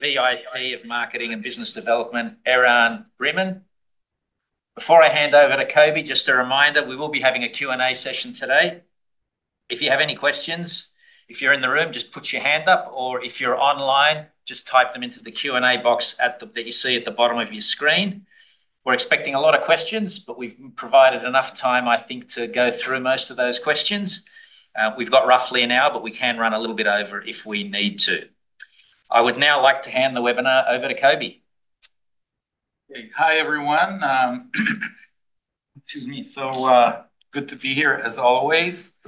Beyond the Head of Marketing and Business Development, Eran Briman. Before I hand over to Coby, just a reminder we will be having a Q&A session today. If you have any questions, if you're in the room, just put your hand up, or if you're online, just type them into the Q&A box that you see at the bottom of your screen. We're expecting a lot of questions, but we've provided enough time, I think, to go through most of those questions. We've got roughly an hour, but we can run a little bit over if we need to. I would now like to hand the webinar over to Coby. Hey, hi everyone. Excuse me. Good to be here as always.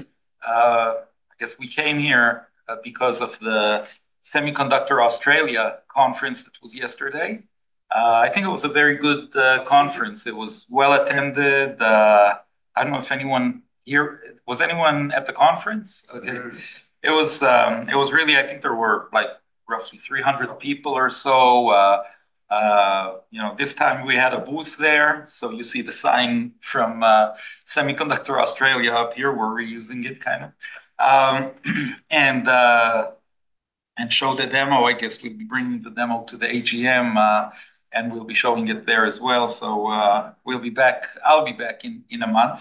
I guess we came here because of the Semiconductor Australia conference that was yesterday. I think it was a very good conference. It was well attended. I don't know if anyone here was at the conference? It was really, I think there were like roughly 300 people or so. This time we had a booth there. You see the sign from Semiconductor Australia up here where we're using it kind of, and show the demo. I guess we'll be bringing the demo to the AGM and we'll be showing it there as well. We'll be back. I'll be back in a month.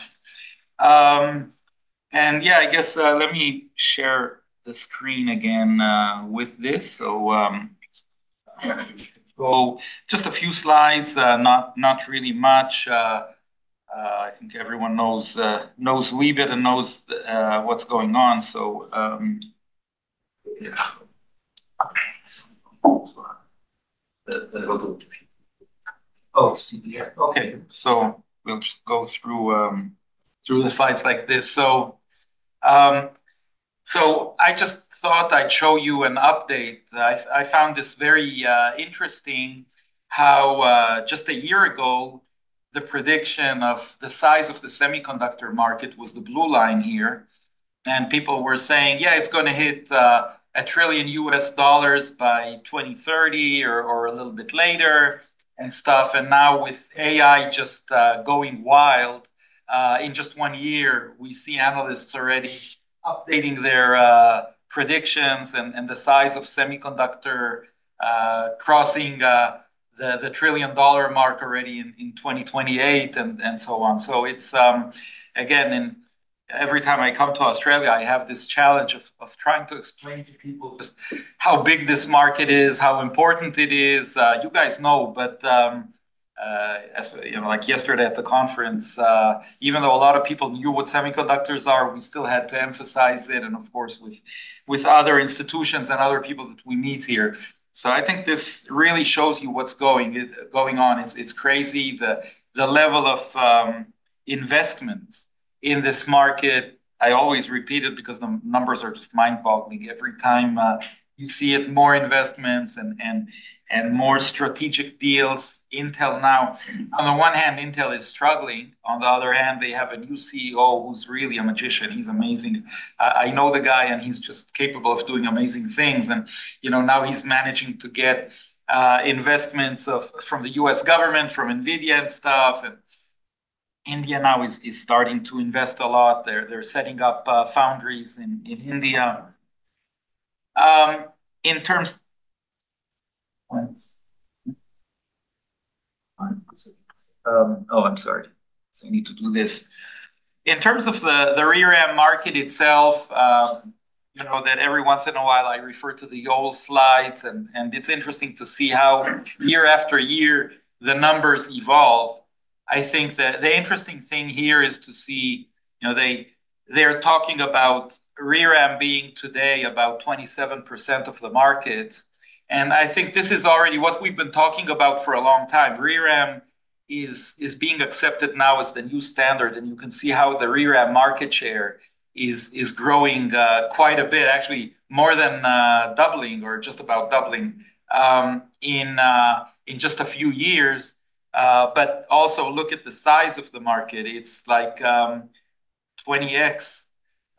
I guess let me share the screen again with this. Just a few slides, not really much. I think everyone knows Weebit and knows what's going on. Oh, okay. We'll just go through the slides like this. I just thought I'd show you an update. I found this very interesting how just a year ago, the prediction of the size of the semiconductor market was the blue line here. People were saying, yeah, it's going to hit a trillion US dollars by 2030 or a little bit later and stuff. Now with AI just going wild, in just one year, we see analysts already updating their predictions and the size of semiconductor crossing the trillion dollar mark already in 2028 and so on. Every time I come to Australia, I have this challenge of trying to explain to people just how big this market is, how important it is. You guys know, but yesterday at the conference, even though a lot of people knew what semiconductors are, we still had to emphasize it. Of course, with other institutions and other people that we meet here. I think this really shows you what's going on. It's crazy, the level of investments in this market. I always repeat it because the numbers are just mind-boggling. Every time you see it, more investments and more strategic deals. Intel now, on the one hand, Intel is struggling. On the other hand, they have a new CEO who's really a magician. He's amazing. I know the guy and he's just capable of doing amazing things. Now he's managing to get investments from the U.S. government, from Nvidia and stuff. India now is starting to invest a lot. They're setting up foundries in India. In terms... Oh, I'm sorry. I need to do this. In terms of the rear end market itself, you know that every once in a while I refer to the old slides and it's interesting to see how year after year the numbers evolve. I think that the interesting thing here is to see, you know, they're talking about rear end being today about 27% of the market. I think this is already what we've been talking about for a long time. Rear end is being accepted now as the new standard. You can see how the rear end market share is growing quite a bit, actually more than doubling or just about doubling in just a few years. Also look at the size of the market. It's like 20X.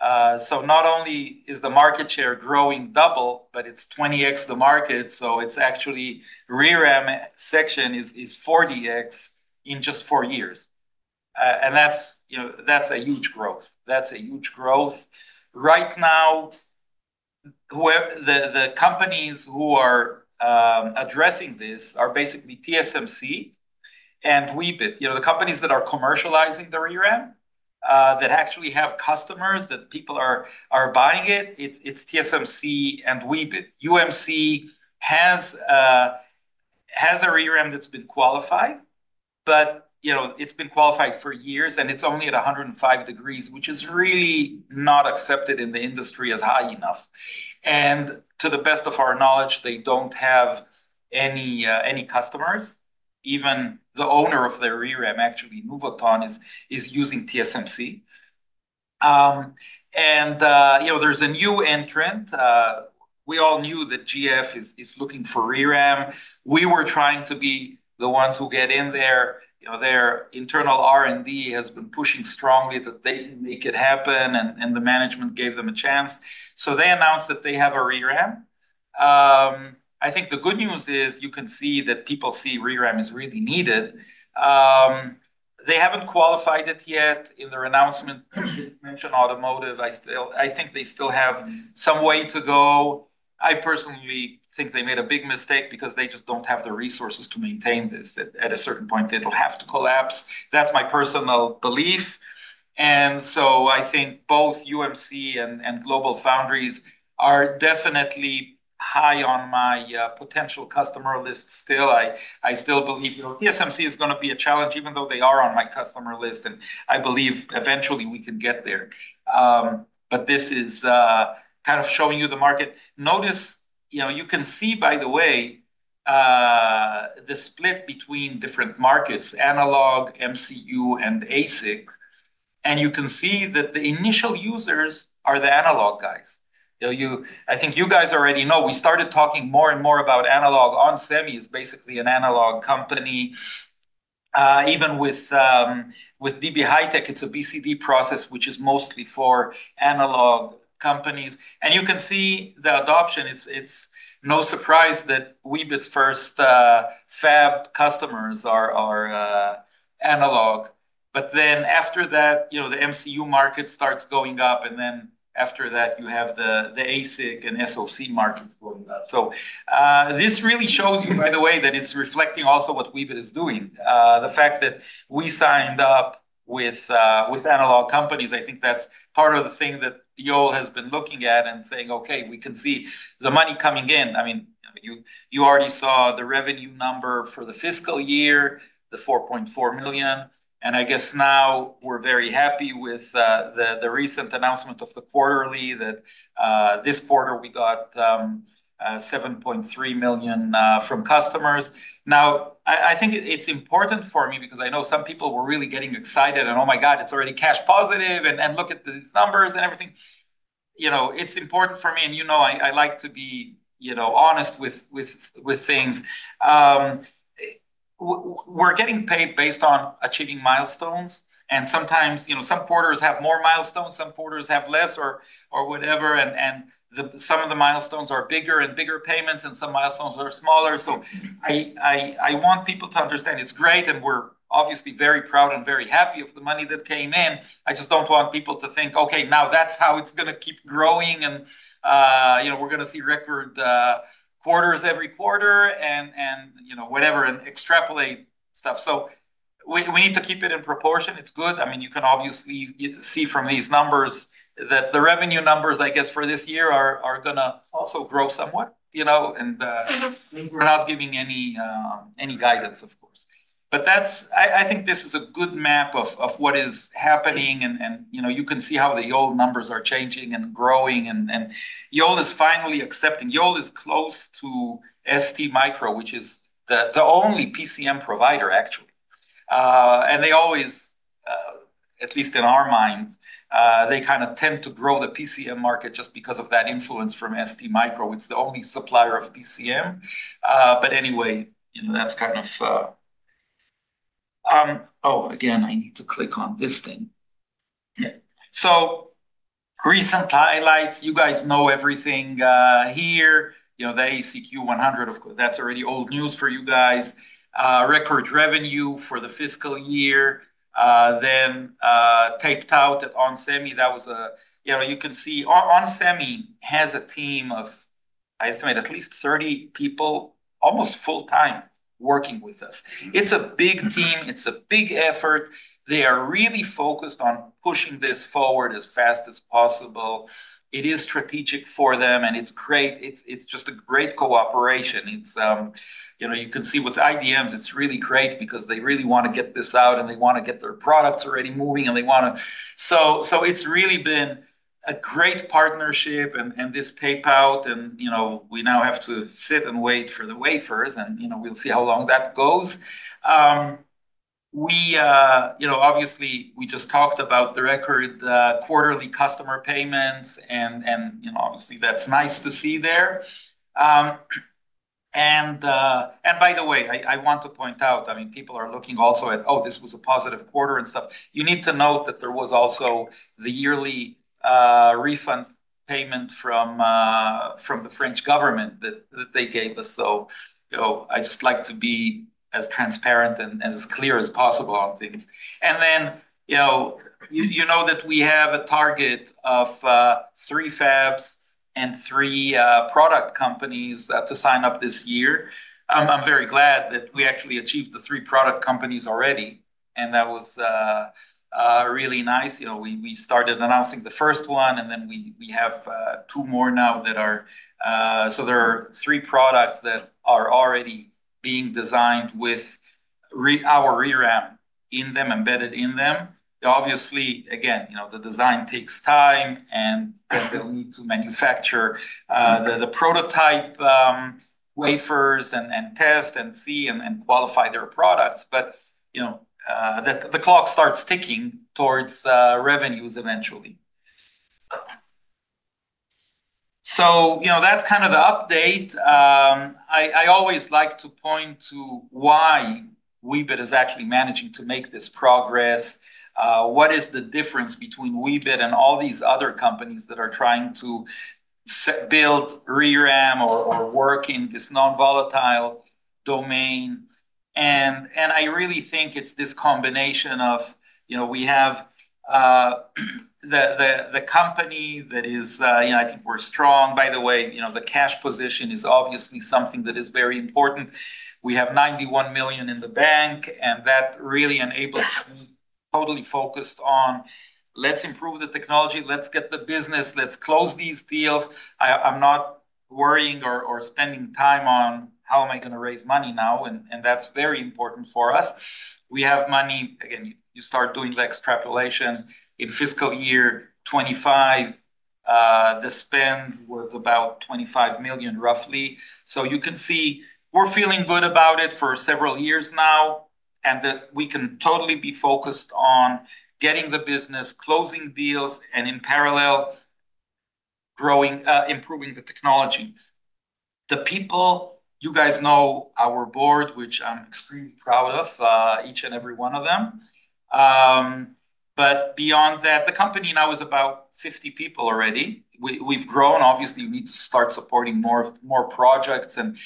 Not only is the market share growing double, but it's 20X the market. It's actually rear end section is 40X in just four years. That's a huge growth. That's a huge growth. Right now, the companies who are addressing this are basically TSMC and Weebit. The companies that are commercializing the rear end that actually have customers that people are buying it, it's TSMC and Weebit. UMC has a rear end that's been qualified, but you know, it's been qualified for years and it's only at 105 degrees, which is really not accepted in the industry as high enough. To the best of our knowledge, they don't have any customers. Even the owner of their rear end, actually Nuvotron, is using TSMC. There's a new entrant. We all knew that GlobalFoundries is looking for rear end. We were trying to be the ones who get in there. Their internal R&D has been pushing strongly that they can make it happen and the management gave them a chance. They announced that they have a rear end. I think the good news is you can see that people see rear end is really needed. They haven't qualified it yet in their announcement. They didn't mention automotive. I think they still have some way to go. I personally think they made a big mistake because they just don't have the resources to maintain this. At a certain point, it'll have to collapse. That's my personal belief. I think both UMC and GlobalFoundries are definitely high on my potential customer list still. I still believe TSMC is going to be a challenge, even though they are on my customer list. I believe eventually we can get there. This is kind of showing you the market. Notice, you know, you can see, by the way, the split between different markets, analog, MCU, and ASIC. You can see that the initial users are the analog guys. I think you guys already know we started talking more and more about analog. onsemi is basically an analog company. Even with DB HiTek, it's a BCD process, which is mostly for analog companies. You can see the adoption. It's no surprise that Weebit's first fab customers are analog. After that, the MCU market starts going up. After that, you have the ASIC and SOC markets going up. This really shows you, by the way, that it's reflecting also Weebit is doing. The fact that we signed up with analog companies, I think that's part of the thing that Yole has been looking at and saying, okay, we can see the money coming in. You already saw the revenue number for the fiscal year, the $4.4 million. I guess now we're very happy with the recent announcement of the quarterly that this quarter we got $7.3 million from customers. I think it's important for me because I know some people were really getting excited and oh my God, it's already cash positive and look at these numbers and everything. It's important for me. I like to be honest with things. We're getting paid based on achieving milestones. Sometimes some quarters have more milestones, some quarters have less or whatever. Some of the milestones are bigger and bigger payments and some milestones are smaller. I want people to understand it's great and we're obviously very proud and very happy of the money that came in. I just don't want people to think, okay, now that's how it's going to keep growing and we're going to see record quarters every quarter and extrapolate stuff. We need to keep it in proportion. It's good. You can obviously see from these numbers that the revenue numbers, I guess, for this year are going to also grow somewhat, and we're not giving any guidance, of course. I think this is a good map of what is happening. You can see how the old numbers are changing and growing and Yole is finally accepting. Yole is close to ST Micro, which is the only PCM provider, actually. They always, at least in our mind, they kind of tend to grow the PCM market just because of that influence from ST Micro. It's the only supplier of PCM. Anyway, that's kind of, oh, again, I need to click on this thing. Recent highlights, you guys know everything here. You know, the ACQ 100, of course, that's already old news for you guys. Record revenue for the fiscal year. Then taped out at onsemi, that was a, you know, you can see onsemi has a team of, I estimate at least 30 people, almost full-time working with us. It's a big team. It's a big effort. They are really focused on pushing this forward as fast as possible. It is strategic for them and it's great. It's just a great cooperation. You can see with IDMs, it's really great because they really want to get this out and they want to get their products already moving and they want to. It's really been a great partnership and this tape out and, you know, we now have to sit and wait for the wafers and we'll see how long that goes. We just talked about the record quarterly customer payments and that's nice to see there. By the way, I want to point out, I mean, people are looking also at, oh, this was a positive quarter and stuff. You need to note that there was also the yearly refund payment from the French government that they gave us. I just like to be as transparent and as clear as possible on things. You know that we have a target of three fabs and three product companies to sign up this year. I'm very glad that we actually achieved the three product companies already. That was really nice. We started announcing the first one and then we have two more now that are, so there are three products that are already being designed with our ReRAM embedded in them. Obviously, again, the design takes time and then they'll need to manufacture the prototype wafers and test and see and qualify their products. The clock starts ticking towards revenues eventually. That's kind of the update. I always like to point to why Weebit is actually managing to make this progress. What is the difference between Weebit and all these other companies that are trying to build ReRAM or work in this non-volatile domain? I really think it's this combination of, you know, we have the company that is, you know, I think we're strong. By the way, the cash position is obviously something that is very important. We have $91 million in the bank and that really enables me totally focused on, let's improve the technology, let's get the business, let's close these deals. I'm not worrying or spending time on how am I going to raise money now? That's very important for us. We have money. Again, you start doing the extrapolation in fiscal year 2025. The spend was about $25 million roughly. You can see we're feeling good about it for several years now and that we can totally be focused on getting the business, closing deals, and in parallel improving the technology. The people, you guys know our board, which I'm extremely proud of, each and every one of them. Beyond that, the company now is about 50 people already. We've grown, obviously we need to start supporting more projects and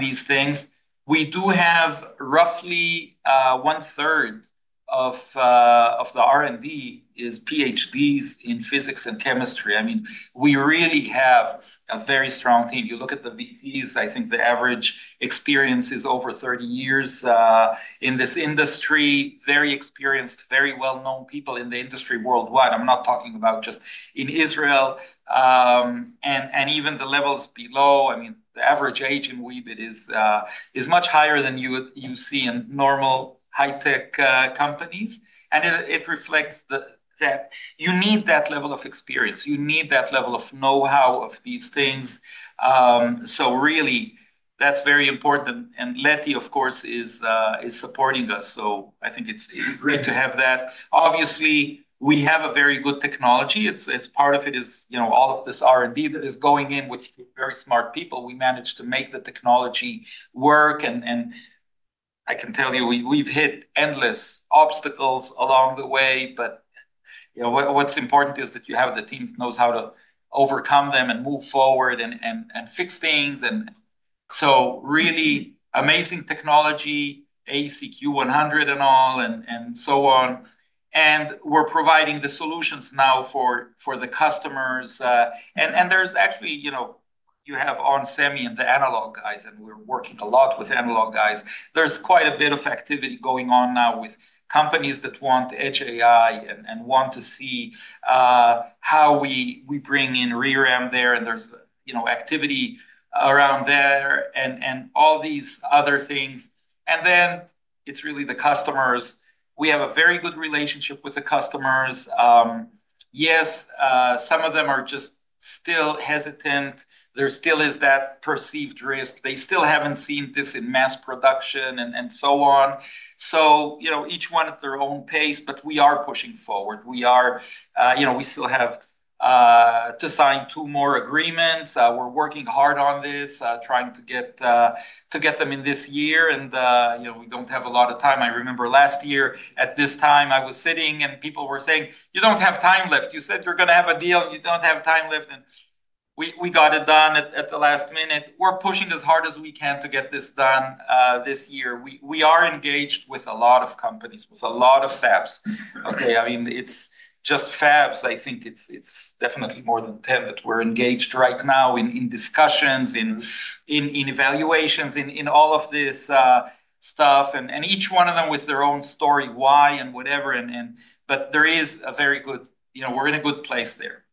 these things. We do have roughly one third of the R&D is PhDs in physics and chemistry. I mean, we really have a very strong team. You look at the VPs, I think the average experience is over 30 years in this industry. Very experienced, very well-known people in the industry worldwide. I'm not talking about just in Israel. Even the levels below, I mean, the average age Weebit is much higher than you see in normal high-tech companies. It reflects that you need that level of experience. You need that level of know-how of these things. That's very important. Leti, of course, is supporting us. I think it's great to have that. Obviously, we have a very good technology. Part of it is, you know, all of this R&D that is going in with very smart people. We managed to make the technology work. I can tell you, we've hit endless obstacles along the way. What's important is that you have the team that knows how to overcome them and move forward and fix things. Really amazing technology, ACQ 100 and all and so on. We're providing the solutions now for the customers. There's actually, you know, you have onsemi and the analog guys, and we're working a lot with analog guys. There's quite a bit of activity going on now with companies that want edge AI and want to see how we bring in ReRAM there. There's activity around there and all these other things. It's really the customers. We have a very good relationship with the customers. Yes, some of them are just still hesitant. There still is that perceived risk. They still haven't seen this in mass production and so on. Each one at their own pace, but we are pushing forward. We still have to sign two more agreements. We're working hard on this, trying to get them in this year. We don't have a lot of time. I remember last year at this time, I was sitting and people were saying, you don't have time left. You said you're going to have a deal and you don't have time left. We got it done at the last minute. We're pushing as hard as we can to get this done this year. We are engaged with a lot of companies, with a lot of fabs. It's just fabs. I think it's definitely more than 10 that we're engaged with right now in discussions, in evaluations, in all of this stuff. Each one of them has their own story, why and whatever. There is a very good, you know, we're in a good place there.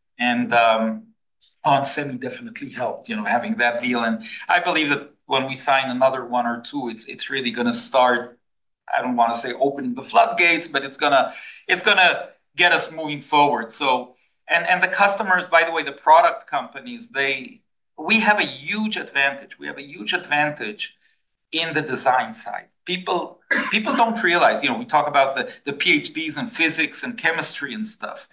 onsemi definitely helped, having that deal. I believe that when we sign another one or two, it's really going to start, I don't want to say opening the floodgates, but it's going to get us moving forward. The customers, by the way, the product companies, we have a huge advantage. We have a huge advantage in the design side. People don't realize, we talk about the PhDs in physics and chemistry and stuff.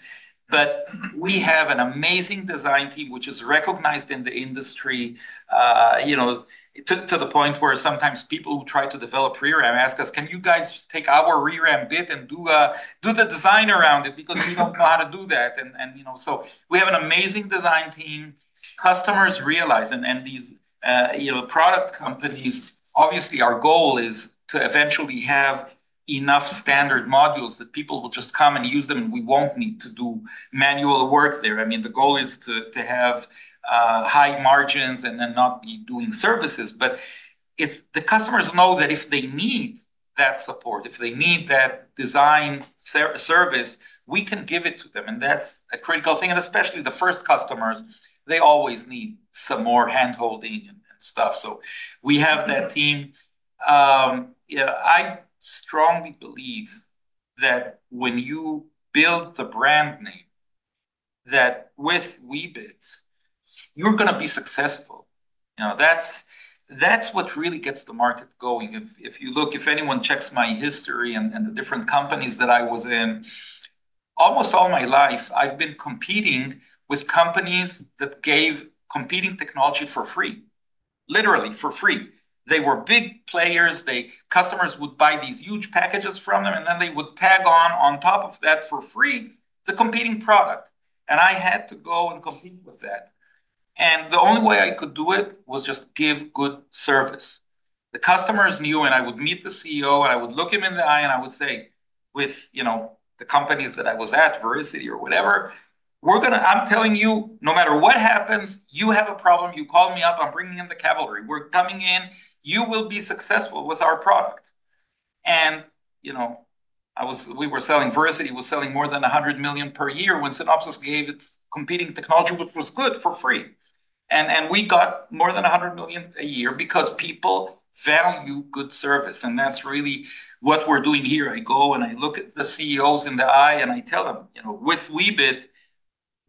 We have an amazing design team, which is recognized in the industry, to the point where sometimes people who try to develop ReRAM ask us, can you guys take our ReRAM bit and do the design around it because we don't know how to do that. We have an amazing design team. Customers realize, and these product companies, obviously our goal is to eventually have enough standard modules that people will just come and use them. We won't need to do manual work there. The goal is to have high margins and then not be doing services. The customers know that if they need that support, if they need that design service, we can give it to them. That's a critical thing. Especially the first customers, they always need some more handholding and stuff. We have that team. I strongly believe that when you build the brand name, that with Weebit, you're going to be successful. That's what really gets the market going. If you look, if anyone checks my history and the different companies that I was in, almost all my life, I've been competing with companies that gave competing technology for free, literally for free. They were big players. Customers would buy these huge packages from them, and then they would tag on top of that for free the competing product. I had to go and compete with that. The only way I could do it was just give good service. The customers knew, and I would meet the CEO, and I would look him in the eye, and I would say, with, you know, the companies that I was at, Verisity or whatever, we're going to, I'm telling you, no matter what happens, you have a problem, you call me up, I'm bringing in the cavalry. We're coming in, you will be successful with our product. I was, we were selling, Verisity was selling more than $100 million per year when Synopsys gave its competing technology, which was good, for free. We got more than $100 million a year because people value good service. That's really what we're doing here. I go and I look at the CEOs in the eye and I tell them, you know, with Weebit,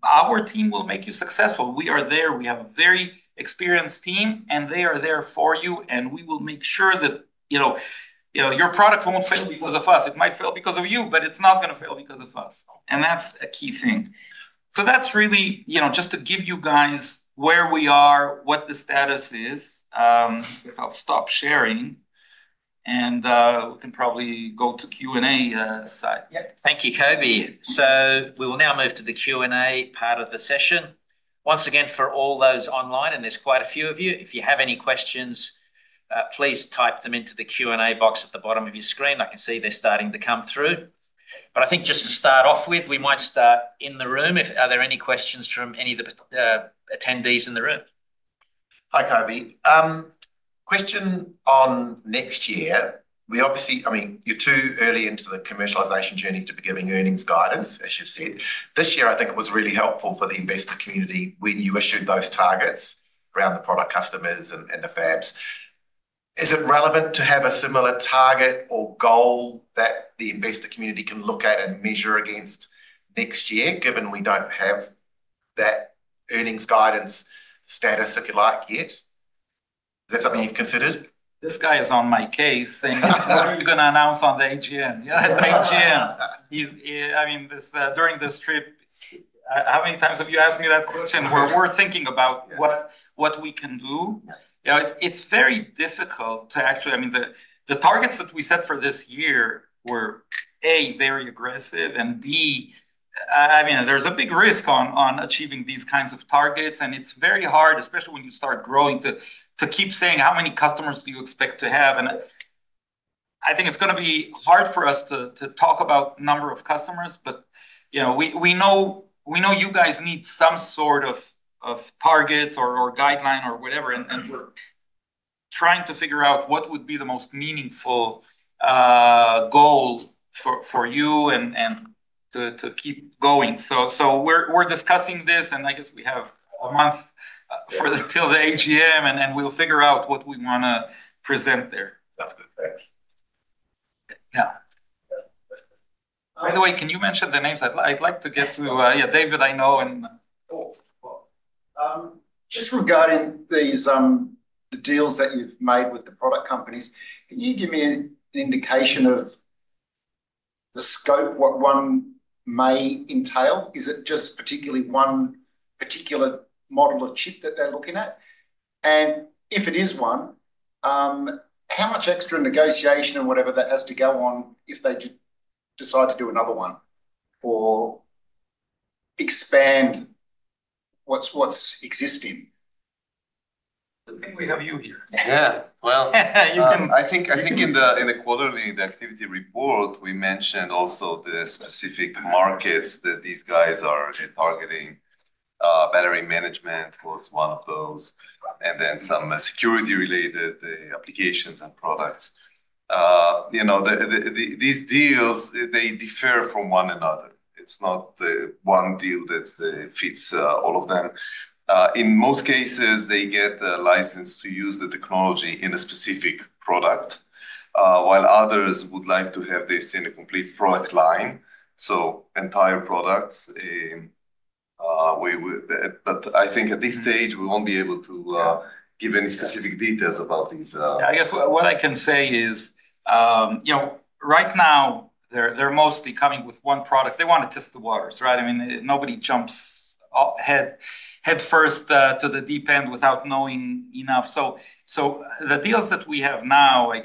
our team will make you successful. We are there. We have a very experienced team, and they are there for you. We will make sure that, you know, your product won't fail because of us. It might fail because of you, but it's not going to fail because of us. That's a key thing. That's really, just to give you guys where we are, what the status is. I'll stop sharing, and we can probably go to Q&A side. Thank you, Coby. We will now move to the Q&A part of the session. Once again, for all those online, and there's quite a few of you, if you have any questions, please type them into the Q&A box at the bottom of your screen. I can see they're starting to come through. I think just to start off with, we might start in the room. Are there any questions from any of the attendees in the room? Hi Coby. Question on next year. We obviously, I mean, you're too early into the commercialization journey to be giving earnings guidance, as you said. This year, I think it was really helpful for the investor community when you issued those targets around the product customers and the fabs. Is it relevant to have a similar target or goal that the investor community can look at and measure against next year, given we don't have that earnings guidance status, if you like, yet? Is that something you've considered? This guy is on my case saying, are you going to announce on the AGM? Yeah, the AGM. I mean, during this trip, how many times have you asked me that question where we're thinking about what we can do? It's very difficult to actually, I mean, the targets that we set for this year were A, very aggressive, and B, there's a big risk on achieving these kinds of targets. It's very hard, especially when you start growing, to keep saying how many customers do you expect to have. I think it's going to be hard for us to talk about the number of customers, but you know, we know you guys need some sort of targets or guideline or whatever. We're trying to figure out what would be the most meaningful goal for you and to keep going. We're discussing this, and I guess we have a month till the AGM, and we'll figure out what we want to present there. That's good. Thanks. By the way, can you mention the names? I'd like to get to, yeah, David, I know. Just regarding the deals that you've made with the product companies, can you give me an indication of the scope, what one may entail? Is it just particularly one particular model of chip that they're looking at? If it is one, how much extra negotiation and whatever that has to go on if they decide to do another one or expand what's existing? The thing we have you here. Yeah, you can. I think in the quarterly activity report, we mentioned also the specific markets that these guys are targeting. Battery management was one of those, and then some security-related applications and products. These deals, they differ from one another. It's not one deal that fits all of them. In most cases, they get a license to use the technology in a specific product, while others would like to have this in a complete product line, so entire products. At this stage, we won't be able to give any specific details about these. I guess what I can say is, right now, they're mostly coming with one product. They want to test the waters, right? I mean, nobody jumps headfirst to the deep end without knowing enough. The deals that we have now, I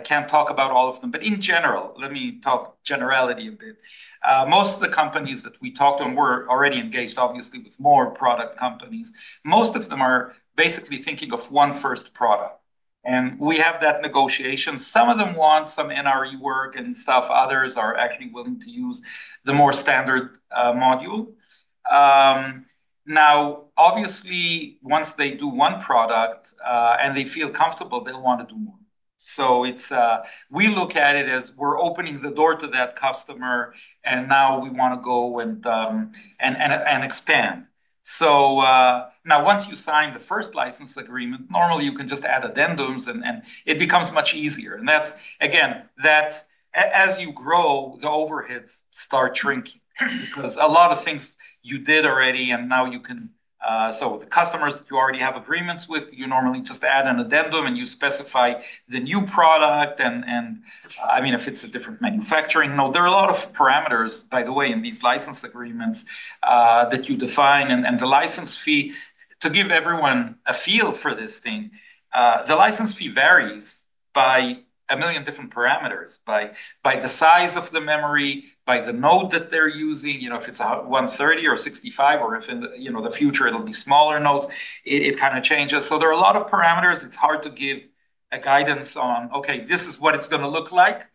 can't talk about all of them, but in general, let me talk generality a bit. Most of the companies that we talked to, and we're already engaged, obviously, with more product companies, most of them are basically thinking of one first product. We have that negotiation. Some of them want some NRE work and stuff. Others are actually willing to use the more standard module. Obviously, once they do one product and they feel comfortable, they'll want to do more. We look at it as we're opening the door to that customer, and now we want to go and expand. Once you sign the first license agreement, normally you can just add addendums, and it becomes much easier. As you grow, the overheads start shrinking because a lot of things you did already, and now you can, so the customers that you already have agreements with, you normally just add an addendum and you specify the new product. If it's a different manufacturing, no, there are a lot of parameters, by the way, in these license agreements that you define. The license fee, to give everyone a feel for this thing, the license fee varies by a million different parameters, by the size of the memory, by the node that they're using. You know, if it's a 130 or a 65, or if in the future it'll be smaller nodes, it kind of changes. There are a lot of parameters. It's hard to give a guidance on, okay, this is what it's going to look like.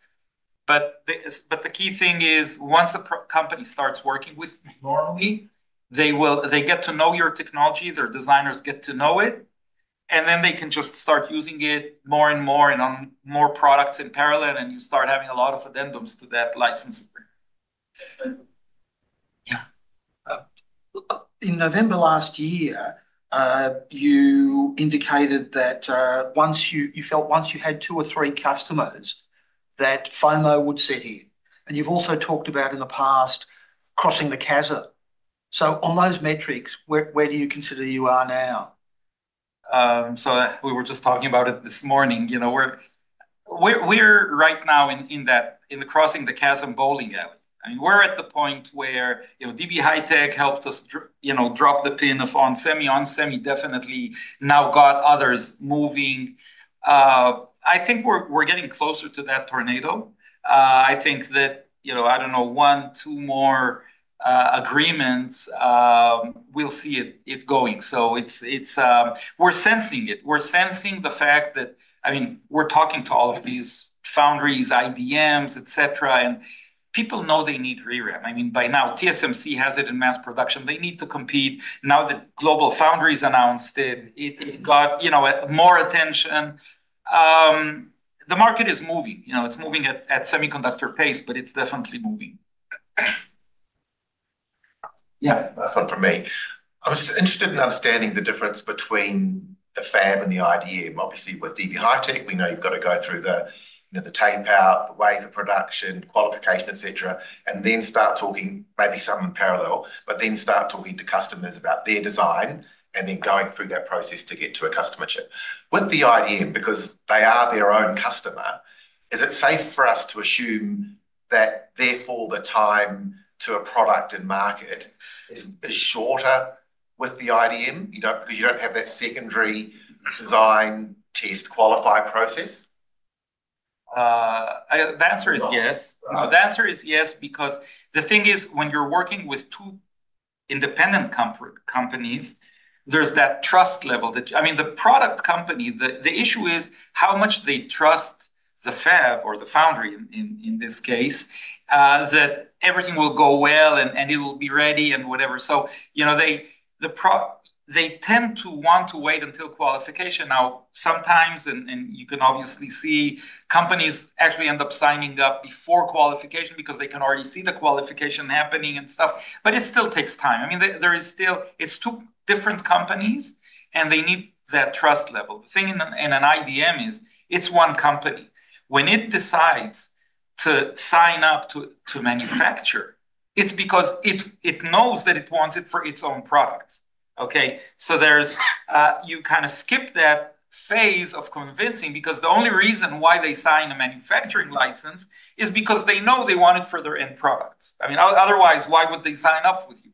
The key thing is, once a company starts working with me, normally they get to know your technology, their designers get to know it, and then they can just start using it more and more and on more products in parallel, and you start having a lot of addendums to that license agreement. In November last year, you indicated that once you had two or three customers that FOMO would set in. You've also talked about in the past crossing the chasm. On those metrics, where do you consider you are now? We were just talking about it this morning. We're right now in the crossing the chasm bowling alley. I mean, we're at the point where DB HiTek helped us drop the pin of onsemi. onsemi definitely now got others moving. I think we're getting closer to that tornado. I think that, you know, I don't know, one, two more agreements, we'll see it going. We're sensing it. We're sensing the fact that, I mean, we're talking to all of these foundries, IDMs, et cetera, and people know they need ReRAM. I mean, by now TSMC has it in mass production. They need to compete. Now that GlobalFoundries announced it, it got, you know, more attention. The market is moving. It's moving at semiconductor pace, but it's definitely moving. Yeah, that's one for me. I was interested in understanding the difference between the fab and the IDM. Obviously, with DB HiTek, we know you've got to go through the tape-out, the wafer production, qualification, et cetera, and then start talking, maybe some in parallel, but then start talking to customers about their design and then going through that process to get to a customer chip. With the IDM, because they are their own customer, is it safe for us to assume that therefore the time to a product and market is shorter with the IDM? Because you don't have that secondary design test qualify process. The answer is yes. The answer is yes because the thing is when you're working with two independent companies, there's that trust level. I mean, the product company, the issue is how much they trust the fab or the foundry in this case that everything will go well and it will be ready and whatever. They tend to want to wait until qualification. Sometimes, and you can obviously see companies actually end up signing up before qualification because they can already see the qualification happening and stuff, but it still takes time. There is still, it's two different companies and they need that trust level. The thing in an IDM is it's one company. When it decides to sign up to manufacture, it's because it knows that it wants it for its own products. You kind of skip that phase of convincing because the only reason why they sign a manufacturing license is because they know they want it for their end products. Otherwise, why would they sign up with you?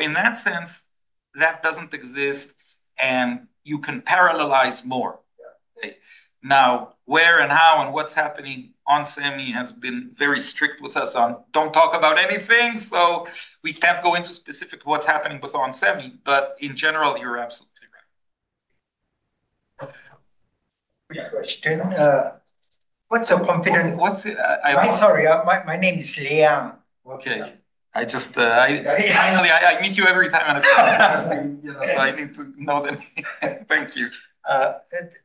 In that sense, that doesn't exist and you can parallelize more. Where and how and what's happening, onsemi has been very strict with us on don't talk about anything. We can't go into specific what's happening with onsemi, but in general, you're absolutely right. Quick question. What's a confidence? I'm sorry, my name is Liang. Okay, I finally meet you every time I'm in a conference. I need to know the name. Thank you.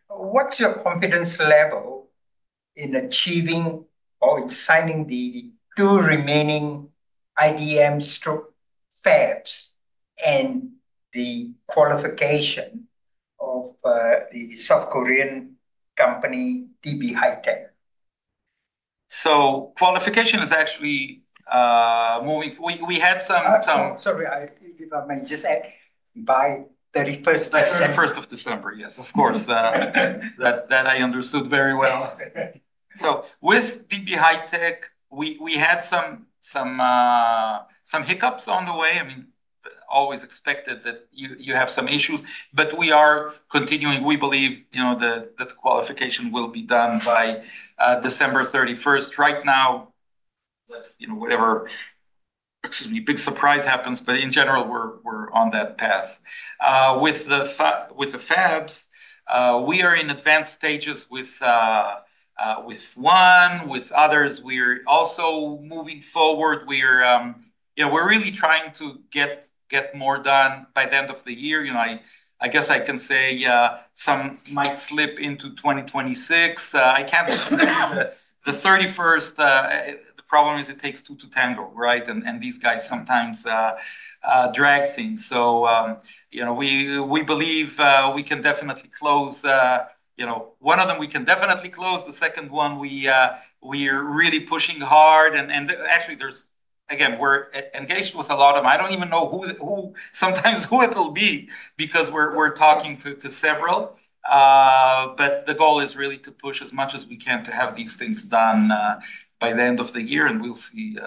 What's your confidence level in achieving or in signing the two remaining IDM fabs and the qualification of the South Korean company DB HiTek? Qualification is actually moving. We had some. Sorry, if I may just add, by December 31st. 31st of December, yes, of course. That I understood very well. With DB HiTek, we had some hiccups on the way. I mean, always expected that you have some issues, but we are continuing. We believe, you know, that the qualification will be done by December 31st. Right now, unless, you know, whatever, excuse me, big surprise happens, but in general, we're on that path. With the fabs, we are in advanced stages with one, with others. We are also moving forward. We're really trying to get more done by the end of the year. I guess I can say some might slip into 2026. I can't say the 31st. The problem is it takes two to tango, right? These guys sometimes drag things. We believe we can definitely close, you know, one of them we can definitely close. The second one we are really pushing hard. Actually, there's, again, we're engaged with a lot of them. I don't even know sometimes who it'll be because we're talking to several. The goal is really to push as much as we can to have these things done by the end of the year. We'll see.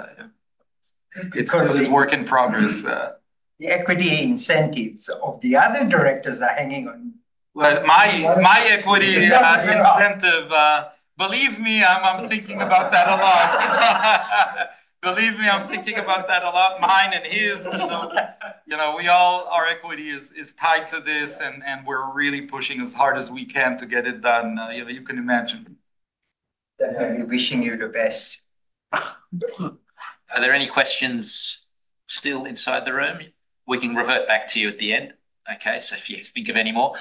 It's work in progress. The equity incentives of the other directors are hanging on. My equity incentive, believe me, I'm thinking about that a lot. Believe me, I'm thinking about that a lot. Mine and his. You know, our equity is tied to this and we're really pushing as hard as we can to get it done. You can imagine. I'll be wishing you the best. Are there any questions still inside the room? We can revert back to you at the end. Okay, if you think of any more.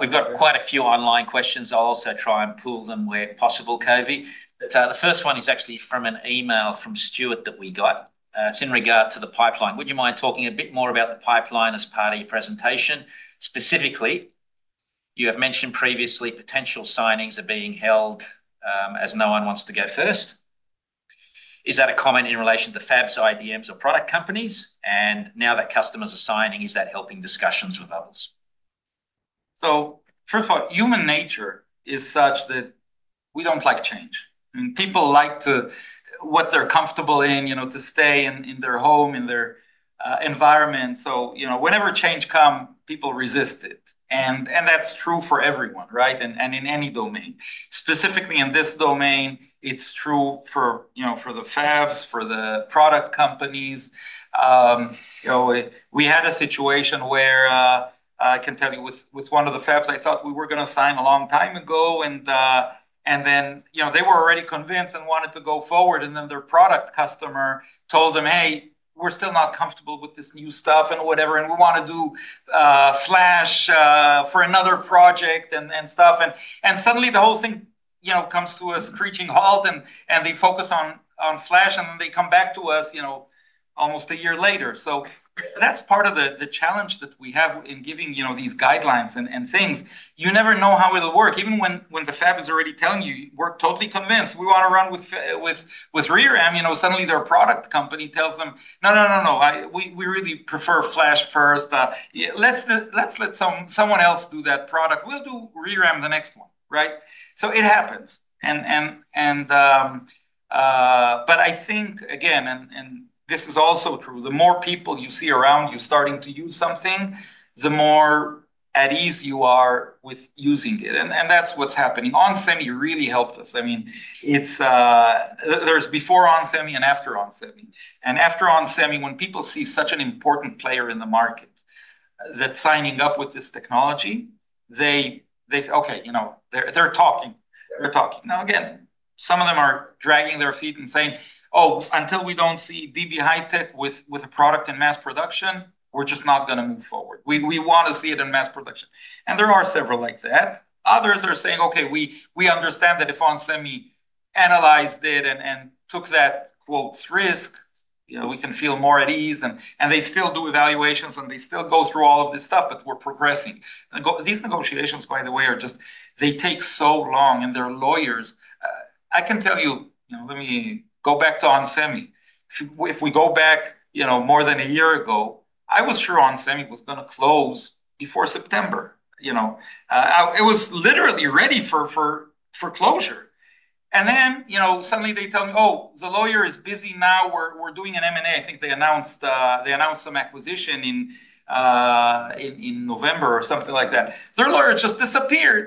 We've got quite a few online questions. I'll also try and pull them where possible, Coby. The first one is actually from an email from Stuart that we got. It's in regard to the pipeline. Would you mind talking a bit more about the pipeline as part of your presentation? Specifically, you have mentioned previously potential signings are being held as no one wants to go first. Is that a comment in relation to fabs, IDMs, or product companies? Now that customers are signing, is that helping discussions with others? First of all, human nature is such that we don't like change. People like to, what they're comfortable in, you know, to stay in their home, in their environment. Whenever change comes, people resist it. That's true for everyone, right? In any domain, specifically in this domain, it's true for the fabs, for the product companies. We had a situation where I can tell you with one of the fabs, I thought we were going to sign a long time ago. They were already convinced and wanted to go forward. Then their product customer told them, "Hey, we're still not comfortable with this new stuff and whatever. We want to do Flash for another project and stuff." Suddenly the whole thing comes to a screeching halt. They focus on Flash. They come back to us almost a year later. That's part of the challenge that we have in giving these guidelines and things. You never know how it'll work. Even when the fab is already telling you, "We're totally convinced. We want to run with ReRAM." Suddenly their product company tells them, "No, no, no, no. We really prefer Flash first. Let's let someone else do that product. We'll do ReRAM the next one." It happens. I think, again, and this is also true, the more people you see around you starting to use something, the more at ease you are with using it. That's what's happening. onsemi really helped us. I mean, there's before onsemi and after onsemi. After onsemi, when people see such an important player in the market that's signing up with this technology, they, okay, you know, they're talking. They're talking. Some of them are dragging their feet and saying, "Oh, until we don't see DB HiTek with a product in mass production, we're just not going to move forward. We want to see it in mass production." There are several like that. Others are saying, "Okay, we understand that if onsemi analyzed it and took that, quote, risk, you know, we can feel more at ease." They still do evaluations and they still go through all of this stuff, but we're progressing. These negotiations, by the way, just take so long and they're lawyers. I can tell you, let me go back to onsemi. If we go back more than a year ago, I was sure onsemi was going to close before September. It was literally ready for closure. You know, suddenly they tell me, "Oh, the lawyer is busy now. We're doing an M&A." I think they announced some acquisition in November or something like that. Their lawyer just disappeared.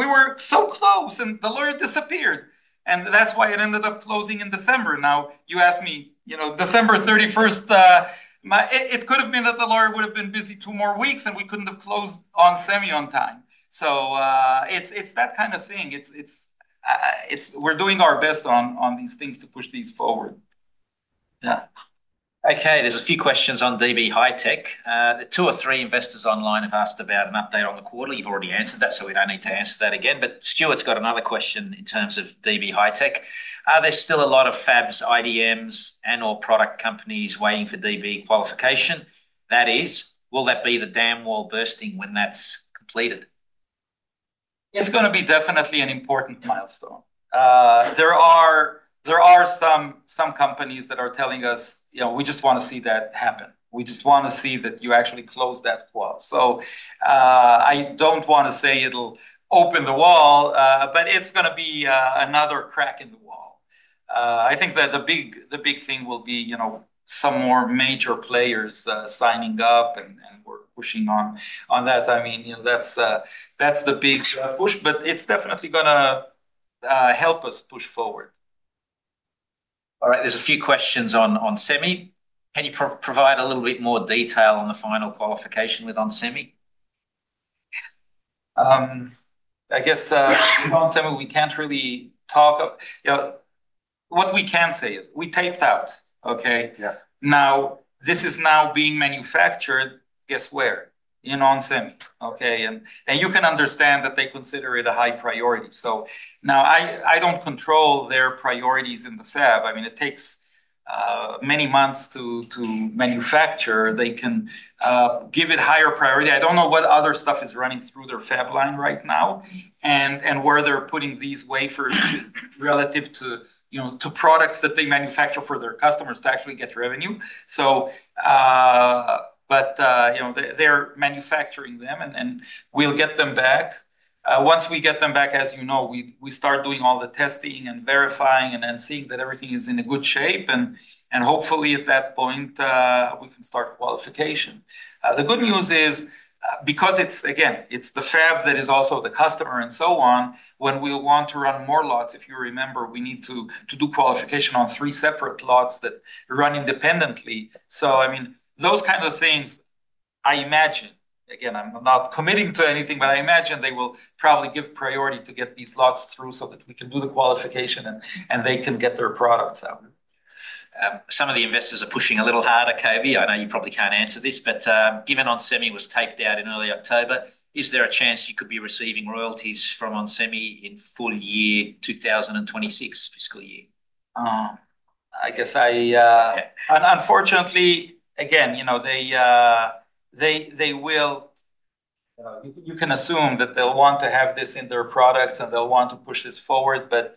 We were so close and the lawyer disappeared. That's why it ended up closing in December. Now, you ask me, December 31st, it could have been that the lawyer would have been busy two more weeks and we couldn't have closed onsemi on time. It's that kind of thing. We're doing our best on these things to push these forward. Yeah. Okay, there's a few questions on DB HiTek. Two or three investors online have asked about an update on the quarter. You've already answered that, so we don't need to answer that again. Stuart's got another question in terms of DB HiTek. Are there still a lot of fabs, IDMs, and/or product companies waiting for DB qualification? That is, will that be the dam wall bursting when that's completed? It's going to be definitely an important milestone. There are some companies that are telling us, you know, we just want to see that happen. We just want to see that you actually close that wall. I don't want to say it'll open the wall, but it's going to be another crack in the wall. I think that the big thing will be, you know, some more major players signing up and we're pushing on that. I mean, that's the big push, but it's definitely going to help us push forward. All right, there's a few questions on onsemi. Can you provide a little bit more detail on the final qualification with onsemi? I guess with onsemi, we can't really talk. What we can say is we taped out. Okay. Yeah. Now, this is now being manufactured, guess where? In onsemi. Okay. You can understand that they consider it a high priority. Now, I don't control their priorities in the fab. I mean, it takes many months to manufacture. They can give it higher priority. I don't know what other stuff is running through their fab line right now and where they're putting these wafers relative to, you know, to products that they manufacture for their customers to actually get revenue. They're manufacturing them and we'll get them back. Once we get them back, as you know, we start doing all the testing and verifying and then seeing that everything is in a good shape. Hopefully at that point, we can start qualification. The good news is because it's, again, it's the fab that is also the customer and so on, when we want to run more lots, if you remember, we need to do qualification on three separate lots that run independently. I mean, those kinds of things, I imagine, again, I'm not committing to anything, but I imagine they will probably give priority to get these lots through so that we can do the qualification and they can get their products out. Some of the investors are pushing a little harder, Coby. I know you probably can't answer this, but given onsemi was taped out in early October, is there a chance you could be receiving royalties from onsemi in full year 2026, fiscal year? I guess, unfortunately, you can assume that they'll want to have this in their products and they'll want to push this forward, but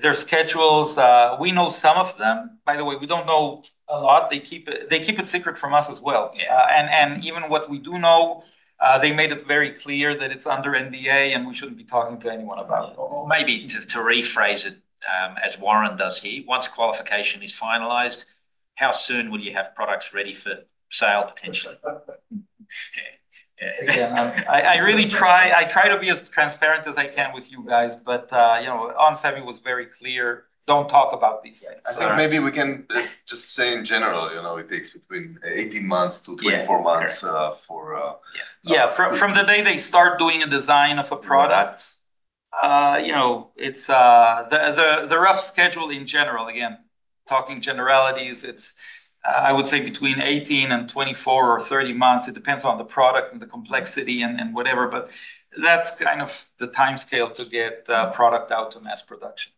their schedules, we know some of them. By the way, we don't know a lot. They keep it secret from us as well. Even what we do know, they made it very clear that it's under NDA and we shouldn't be talking to anyone about it. Maybe to rephrase it as Warren does, once qualification is finalized, how soon will you have products ready for sale potentially? I really try, I try to be as transparent as I can with you guys, but you know, onsemi was very clear, don't talk about these things. I think maybe we can just say in general, you know, it takes between 18 months to 24 months. Yeah, from the day they start doing a design of a product, you know, the rough schedule in general, again, talking generalities, it's, I would say, between 18 and 24 or 30 months. It depends on the product and the complexity and whatever, but that's kind of the timescale to get product out to mass production.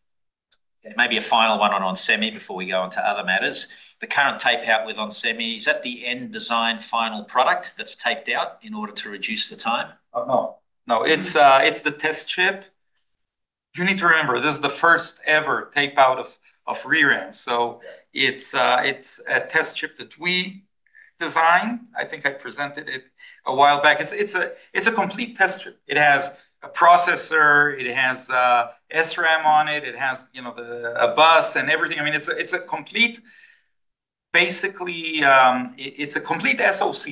Okay, maybe a final one on onsemi before we go on to other matters. The current tape-out with onsemi, is that the end design final product that's taped out in order to reduce the time? No, no, it's the test chip. You need to remember this is the first ever tape-out of ReRAM. It's a test chip that we designed. I think I presented it a while back. It's a complete test chip. It has a processor, it has SRAM on it, it has the bus and everything. It's a complete, basically, it's a complete SOC.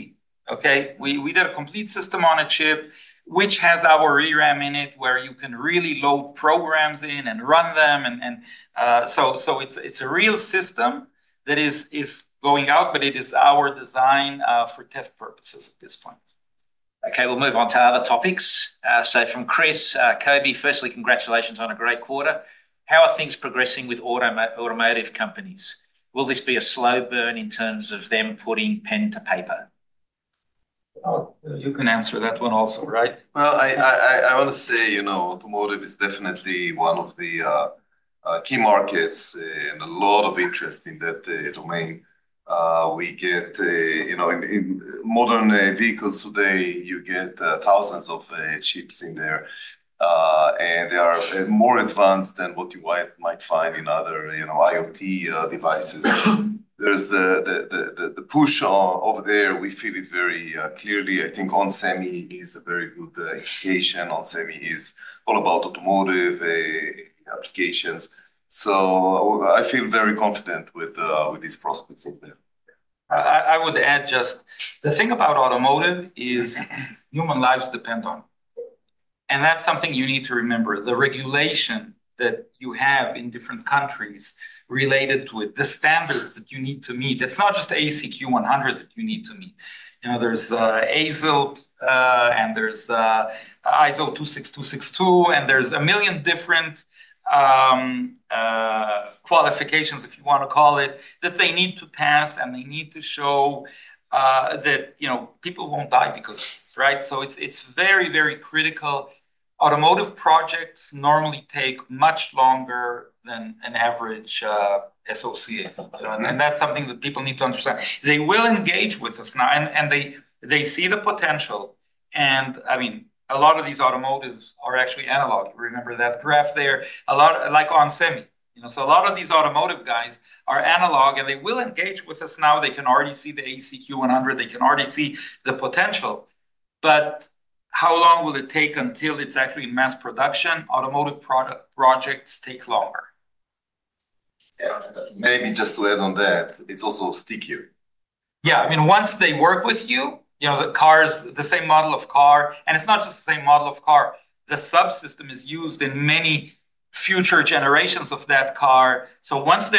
We did a complete system on a chip, which has our ReRAM in it, where you can really load programs in and run them. It's a real system that is going out, but it is our design for test purposes at this point. Okay, we'll move on to other topics. From Chris, Coby, firstly, congratulations on a great quarter. How are things progressing with automotive companies? Will this be a slow burn in terms of them putting pen to paper? You can answer that one also, right? Automotive is definitely one of the key markets and a lot of interest in that domain. In modern vehicles today, you get thousands of chips in there, and they are more advanced than what you might find in other IoT devices. There's the push over there. We feel it very clearly. I think onsemi is a very good application. onsemi is all about automotive applications. I feel very confident with these prospects in there. I would add just the thing about automotive is human lives depend on it. That's something you need to remember. The regulation that you have in different countries related to it, the standards that you need to meet, it's not just AEC-Q100 that you need to meet. There's ASIL and there's ISO 26262. There are a million different qualifications, if you want to call it, that they need to pass. They need to show that people won't die because of it, right? It's very, very critical. Automotive projects normally take much longer than an average SoC. That's something that people need to understand. They will engage with us now, and they see the potential. A lot of these automotive are actually analog. Remember that graph there, a lot like onsemi. A lot of these automotive guys are analog and they will engage with us now. They can already see the AEC-Q100. They can already see the potential. How long will it take until it's actually in mass production? Automotive projects take longer. Maybe just to add on that, it's also stickier. Yeah, I mean, once they work with you, you know, the cars, the same model of car, and it's not just the same model of car. The subsystem is used in many future generations of that car. Once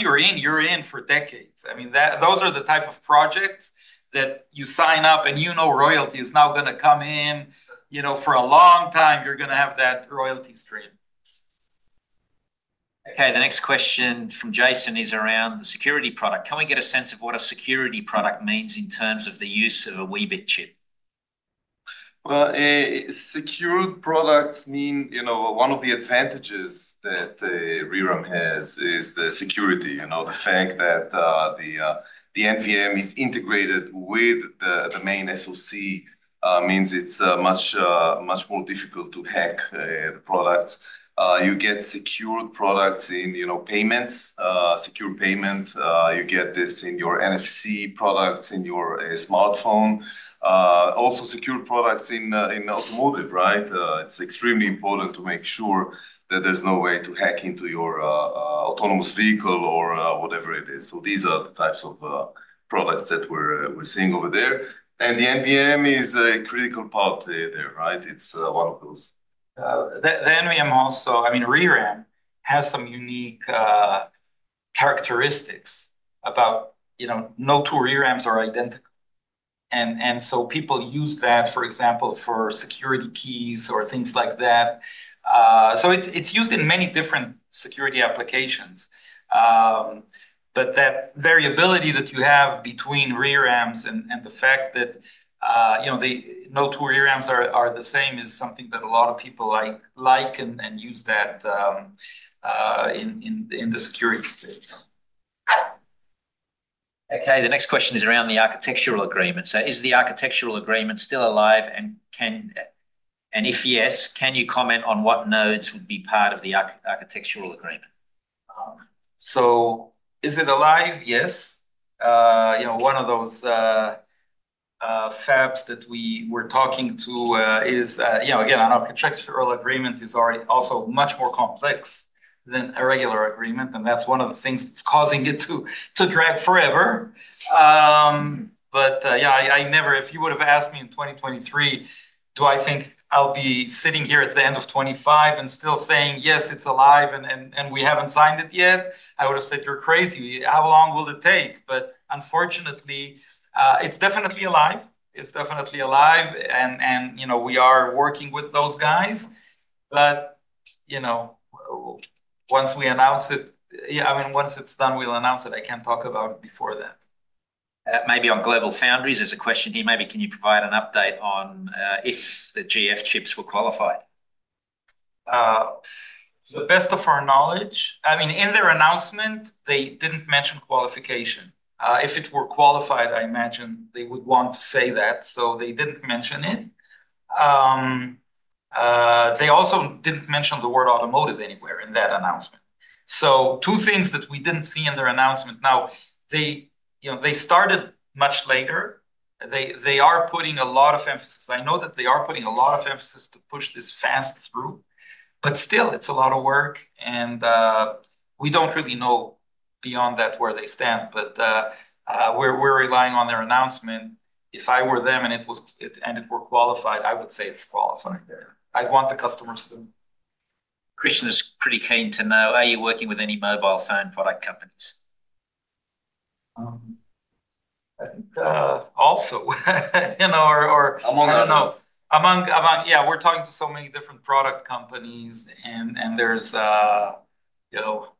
you're in, you're in for decades. I mean, those are the type of projects that you sign up and you know royalty is now going to come in. You know, for a long time, you're going to have that royalties trail. Okay, the next question from Jason is around the security product. Can we get a sense of what a security product means in terms of the use of a Weebit chip? Secured products mean, you know, one of the advantages that ReRAM has is the security. You know, the fact that the NVM is integrated with the main SOC means it's much, much more difficult to hack the products. You get secured products in, you know, payments, secure payment. You get this in your NFC products in your smartphone. Also, secured products in automotive, right? It's extremely important to make sure that there's no way to hack into your autonomous vehicle or whatever it is. These are the types of products that we're seeing over there, and the NVM is a critical part there, right? It's one of those. The NVM also, I mean, ReRAM has some unique characteristics about, you know, no two ReRAMs are identical. People use that, for example, for security keys or things like that. It's used in many different security applications. That variability that you have between ReRAMs and the fact that, you know, no two ReRAMs are the same is something that a lot of people like and use that in the security space. Okay, the next question is around the architectural agreement. Is the architectural agreement still alive? If yes, can you comment on what nodes would be part of the architectural agreement? Is it alive? Yes. One of those fabs that we were talking to is, again, an architectural agreement is already also much more complex than a regular agreement. That's one of the things that's causing it to drag forever. If you would have asked me in 2023, do I think I'll be sitting here at the end of 2025 and still saying, yes, it's alive and we haven't signed it yet? I would have said, you're crazy. How long will it take? Unfortunately, it's definitely alive. It's definitely alive, and we are working with those guys. Once we announce it, I mean, once it's done, we'll announce it. I can't talk about it before that. Maybe on GlobalFoundries, is a question here. Maybe can you provide an update on if the GF chips were qualified? To the best of our knowledge, in their announcement, they didn't mention qualification. If it were qualified, I imagine they would want to say that. They didn't mention it. They also didn't mention the word automotive anywhere in that announcement. Two things that we didn't see in their announcement. They started much later. They are putting a lot of emphasis. I know that they are putting a lot of emphasis to push this fast through. Still, it's a lot of work. We don't really know beyond that where they stand. We're relying on their announcement. If I were them and it were qualified, I would say it's qualified there. I'd want the customers to know. Christian is pretty keen to know, are you working with any mobile phone product companies? I think also, you know, we're talking to so many different product companies.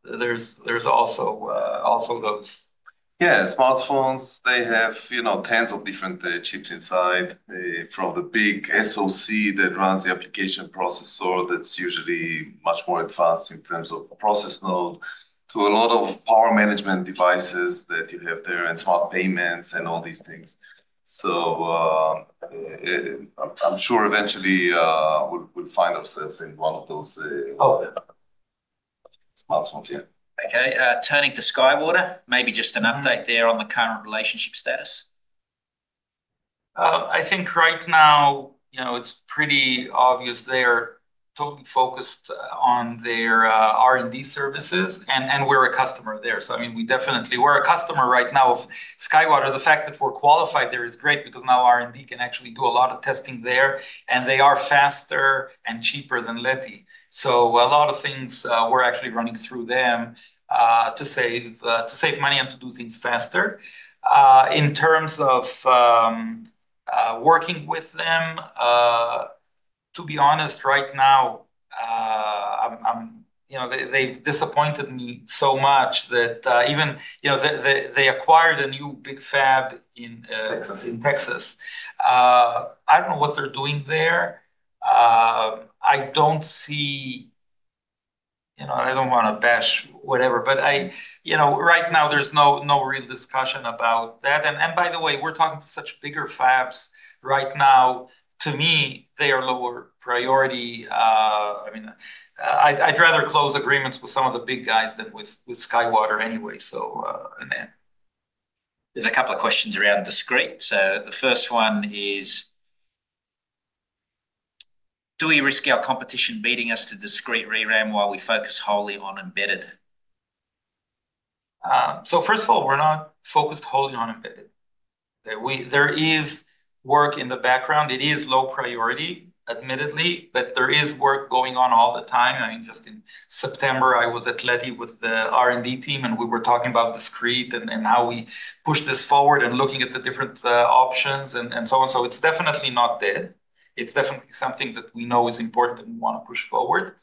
There's also those. Yeah, smartphones, they have, you know, tens of different chips inside from the big SoC that runs the application processor that's usually much more advanced in terms of process node to a lot of power management devices that you have there, and smart payments and all these things. I'm sure eventually we'll find ourselves in one of those smartphones. Yeah. Okay, turning to SkyWater, maybe just an update there on the current relationship status. I think right now, you know, it's pretty obvious they are totally focused on their R&D services. We're a customer there. I mean, we definitely, we're a customer right now of SkyWater. The fact that we're qualified there is great because now R&D can actually do a lot of testing there. They are faster and cheaper than Leti. A lot of things we're actually running through them to save money and to do things faster. In terms of working with them, to be honest, right now, they've disappointed me so much that even, you know, they acquired a new big fab in Texas. I don't know what they're doing there. I don't see, you know, and I don't want to bash whatever, but right now there's no real discussion about that. By the way, we're talking to such bigger fabs right now. To me, they are lower priority. I'd rather close agreements with some of the big guys than with SkyWater anyway. There's a couple of questions around discrete. The first one is, do we risk our competition beating us to discrete ReRAM while we focus wholly on embedded? First of all, we're not focused wholly on embedded. There is work in the background. It is low priority, admittedly, but there is work going on all the time. Just in September, I was at Leti with the R&D team and we were talking about discrete and how we push this forward and looking at the different options and so on. It is definitely not dead. It is definitely something that we know is important and we want to push forward.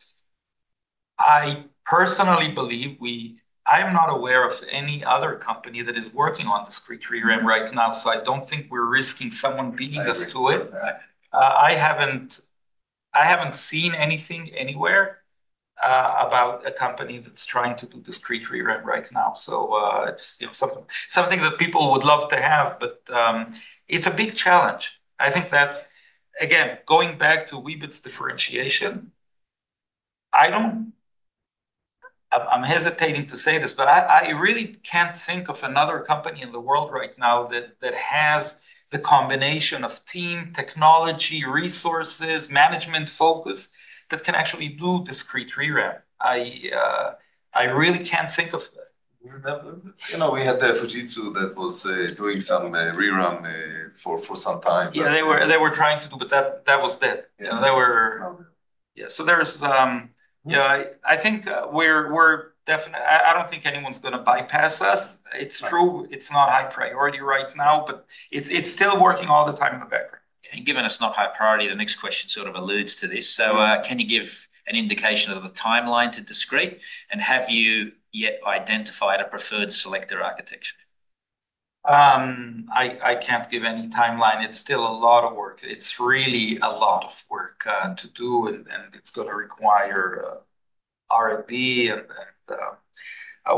I personally believe we, I'm not aware of any other company that is working on discrete ReRAM right now. I don't think we're risking someone beating us to it. I haven't seen anything anywhere about a company that's trying to do discrete ReRAM right now. It is something that people would love to have, but it's a big challenge. I think that's, again, going back to Weebit's differentiation. I'm hesitating to say this, but I really can't think of another company in the world right now that has the combination of team, technology, resources, management focus that can actually do discrete ReRAM. I really can't think of that. You know, we had the Fujitsu that was doing some ReRAM for some time. Yeah, they were trying to do, but that was dead. Yeah, there's, you know, I think we're definitely, I don't think anyone's going to bypass us. It's true. It's not high priority right now, but it's still working all the time in the background. Given it's not high priority, the next question sort of alludes to this. Can you give an indication of the timeline to discrete, and have you yet identified a preferred selector architecture? I can't give any timeline. It's still a lot of work. It's really a lot of work to do, and it's going to require R&D.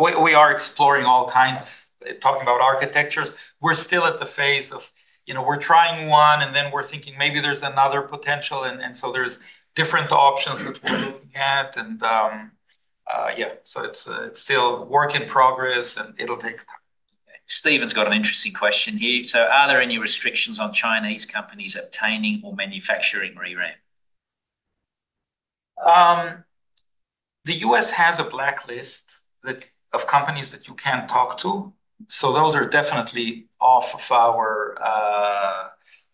We are exploring all kinds of talking about architectures. We're still at the phase of, you know, we're trying one and then we're thinking maybe there's another potential. There are different options that we're looking at. Yeah, it's still work in progress and it'll take time. Steven's got an interesting question here. Are there any restrictions on Chinese companies obtaining or manufacturing ReRAM? The U.S. has a blacklist of companies that you can talk to. Those are definitely off of our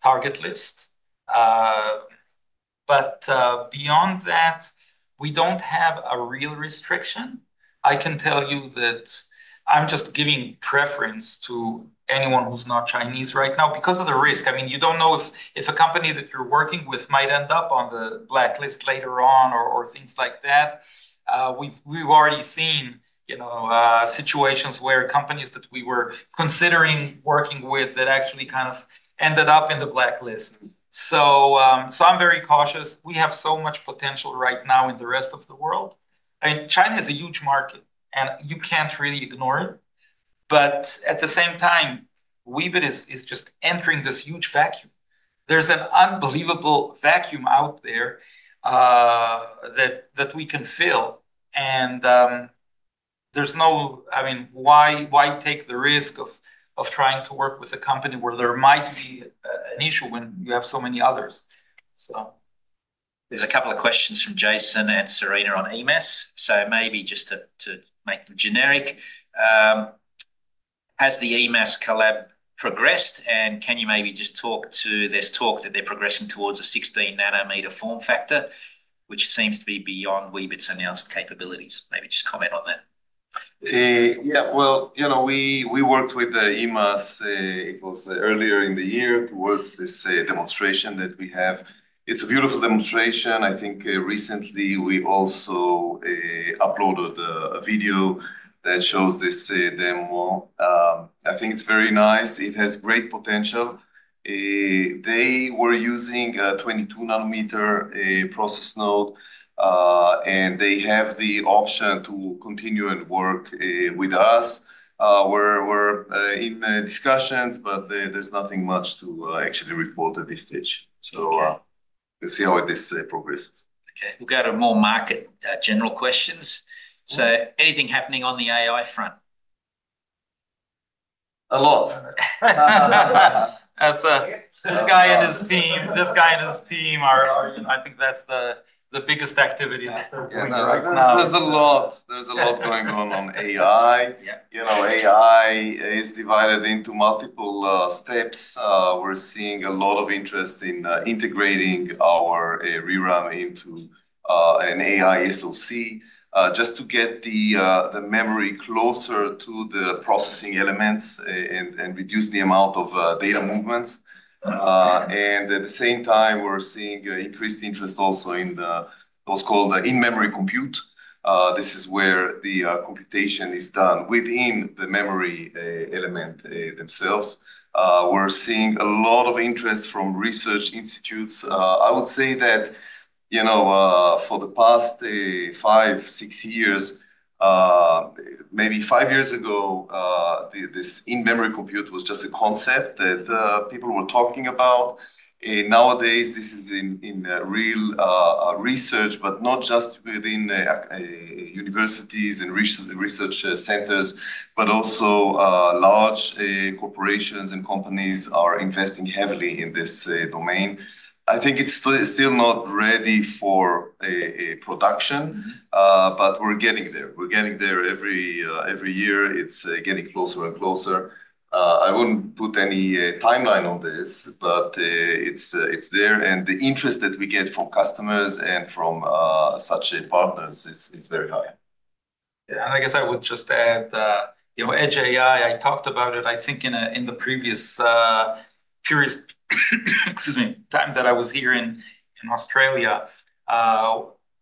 target list. Beyond that, we don't have a real restriction. I can tell you that I'm just giving preference to anyone who's not Chinese right now because of the risk. I mean, you don't know if a company that you're working with might end up on the blacklist later on or things like that. We've already seen situations where companies that we were considg working with actually kind of ended up in the blacklist. I'm very cautious. We have so much potential right now in the rest of the world. China is a huge market and you can't really ignore it. At the same time, Weebit is just entErang this huge vacuum. There's an unbelievable vacuum out there that we can fill. There's no, I mean, why take the risk of trying to work with a company where there might be an issue when you have so many others? are a couple of questions from Jason and Serena on EMES. Has the EMES collaboration progressed? Can you talk to this, that they're progressing towards a 16 nm form factor, which seems to be beyond Weebit's announced capabilities? Maybe just comment on that. Yeah, you know, we worked with EMES. It was earlier in the year towards this demonstration that we have. It's a beautiful demonstration. I think recently we also uploaded a video that shows this demo. I think it's very nice. It has great potential. They were using a 22 nm process node. They have the option to continue and work with us. We're in discussions, but there's nothing much to actually report at this stage. We'll see how this progresses. Okay, we'll go to more market general questions. Is anything happening on the AI front? A lot. This guy and his team are, I think that's the biggest activity. There's a lot, there's a lot going on on AI. You know, AI is divided into multiple steps. We're seeing a lot of interest in integrating our ReRAM into an AI SOC just to get the memory closer to the processing elements and reduce the amount of data movements. At the same time, we're seeing increased interest also in what's called in-memory compute. This is where the computation is done within the memory element themselves. We're seeing a lot of interest from research institutes. I would say that, you know, for the past five, six years, maybe five years ago, this in-memory compute was just a concept that people were talking about. Nowadays, this is in real research, not just within universities and research centers, but also large corporations and companies are investing heavily in this domain. I think it's still not ready for production, but we're getting there. We're getting there every year. It's getting closer and closer. I wouldn't put any timeline on this, but it's there. The interest that we get from customers and from such partners is very high. I guess I would just add, you know, edge AI, I talked about it, I think in the previous time that I was here in Australia.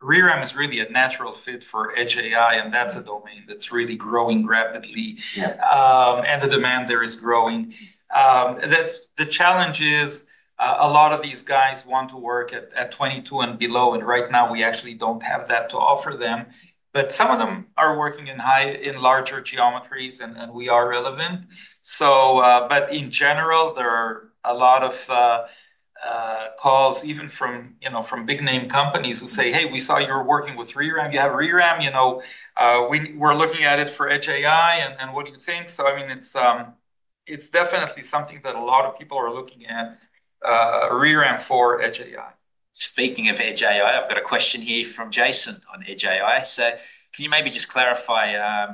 ReRAM is really a natural fit for edge AI, and that's a domain that's really growing rapidly. The demand there is growing. The challenge is a lot of these guys want to work at 22 and below, and right now we actually don't have that to offer them. Some of them are working in larger geometries, and we are relevant. In general, there are a lot of calls, even from, you know, from big name companies who say, "Hey, we saw you were working with ReRAM. You have ReRAM, you know, we're looking at it for edge AI, and what do you think?" I mean, it's definitely something that a lot of people are looking at ReRAM for edge AI. Speaking of edge AI, I've got a question here from Jason on edge AI. Can you maybe just clarify,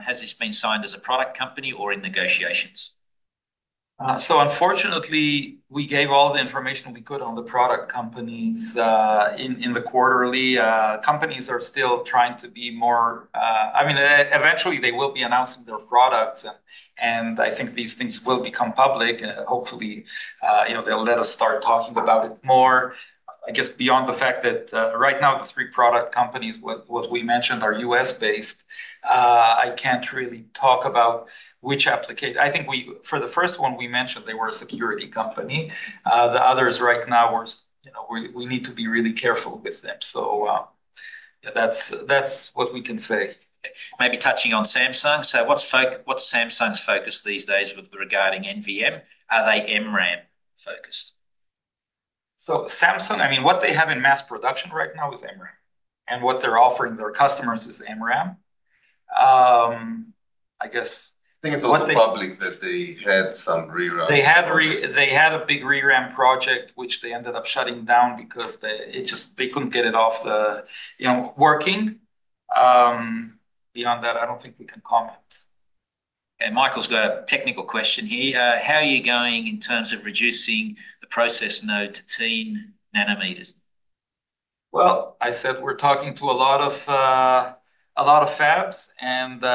has this been signed as a product company or in negotiations? Unfortunately, we gave all the information we could on the product companies in the quarterly. Companies are still trying to be more, I mean, eventually they will be announcing their products, and I think these things will become public. Hopefully, you know, they'll let us start talking about it more. I guess beyond the fact that right now the three product companies, what we mentioned, are U.S.-based, I can't really talk about which application. I think for the first one we mentioned, they were a security company. The others right now, you know, we need to be really careful with them. That's what we can say. Maybe touching on Samsung. What's Samsung's focus these days regarding NVM? Are they MRAM focused? Samsung, I mean, what they have in mass production right now is MRAM. What they're offErang their customers is MRAM, I guess. I think it's also public that they had some ReRAM. They had a big ReRAM project, which they ended up shutting down because they just couldn't get it working. Beyond that, I don't think we can comment. Michael's got a technical question here. How are you going in terms of reducing the process node to 10 nanometers? We're talking to a lot of fabs, and you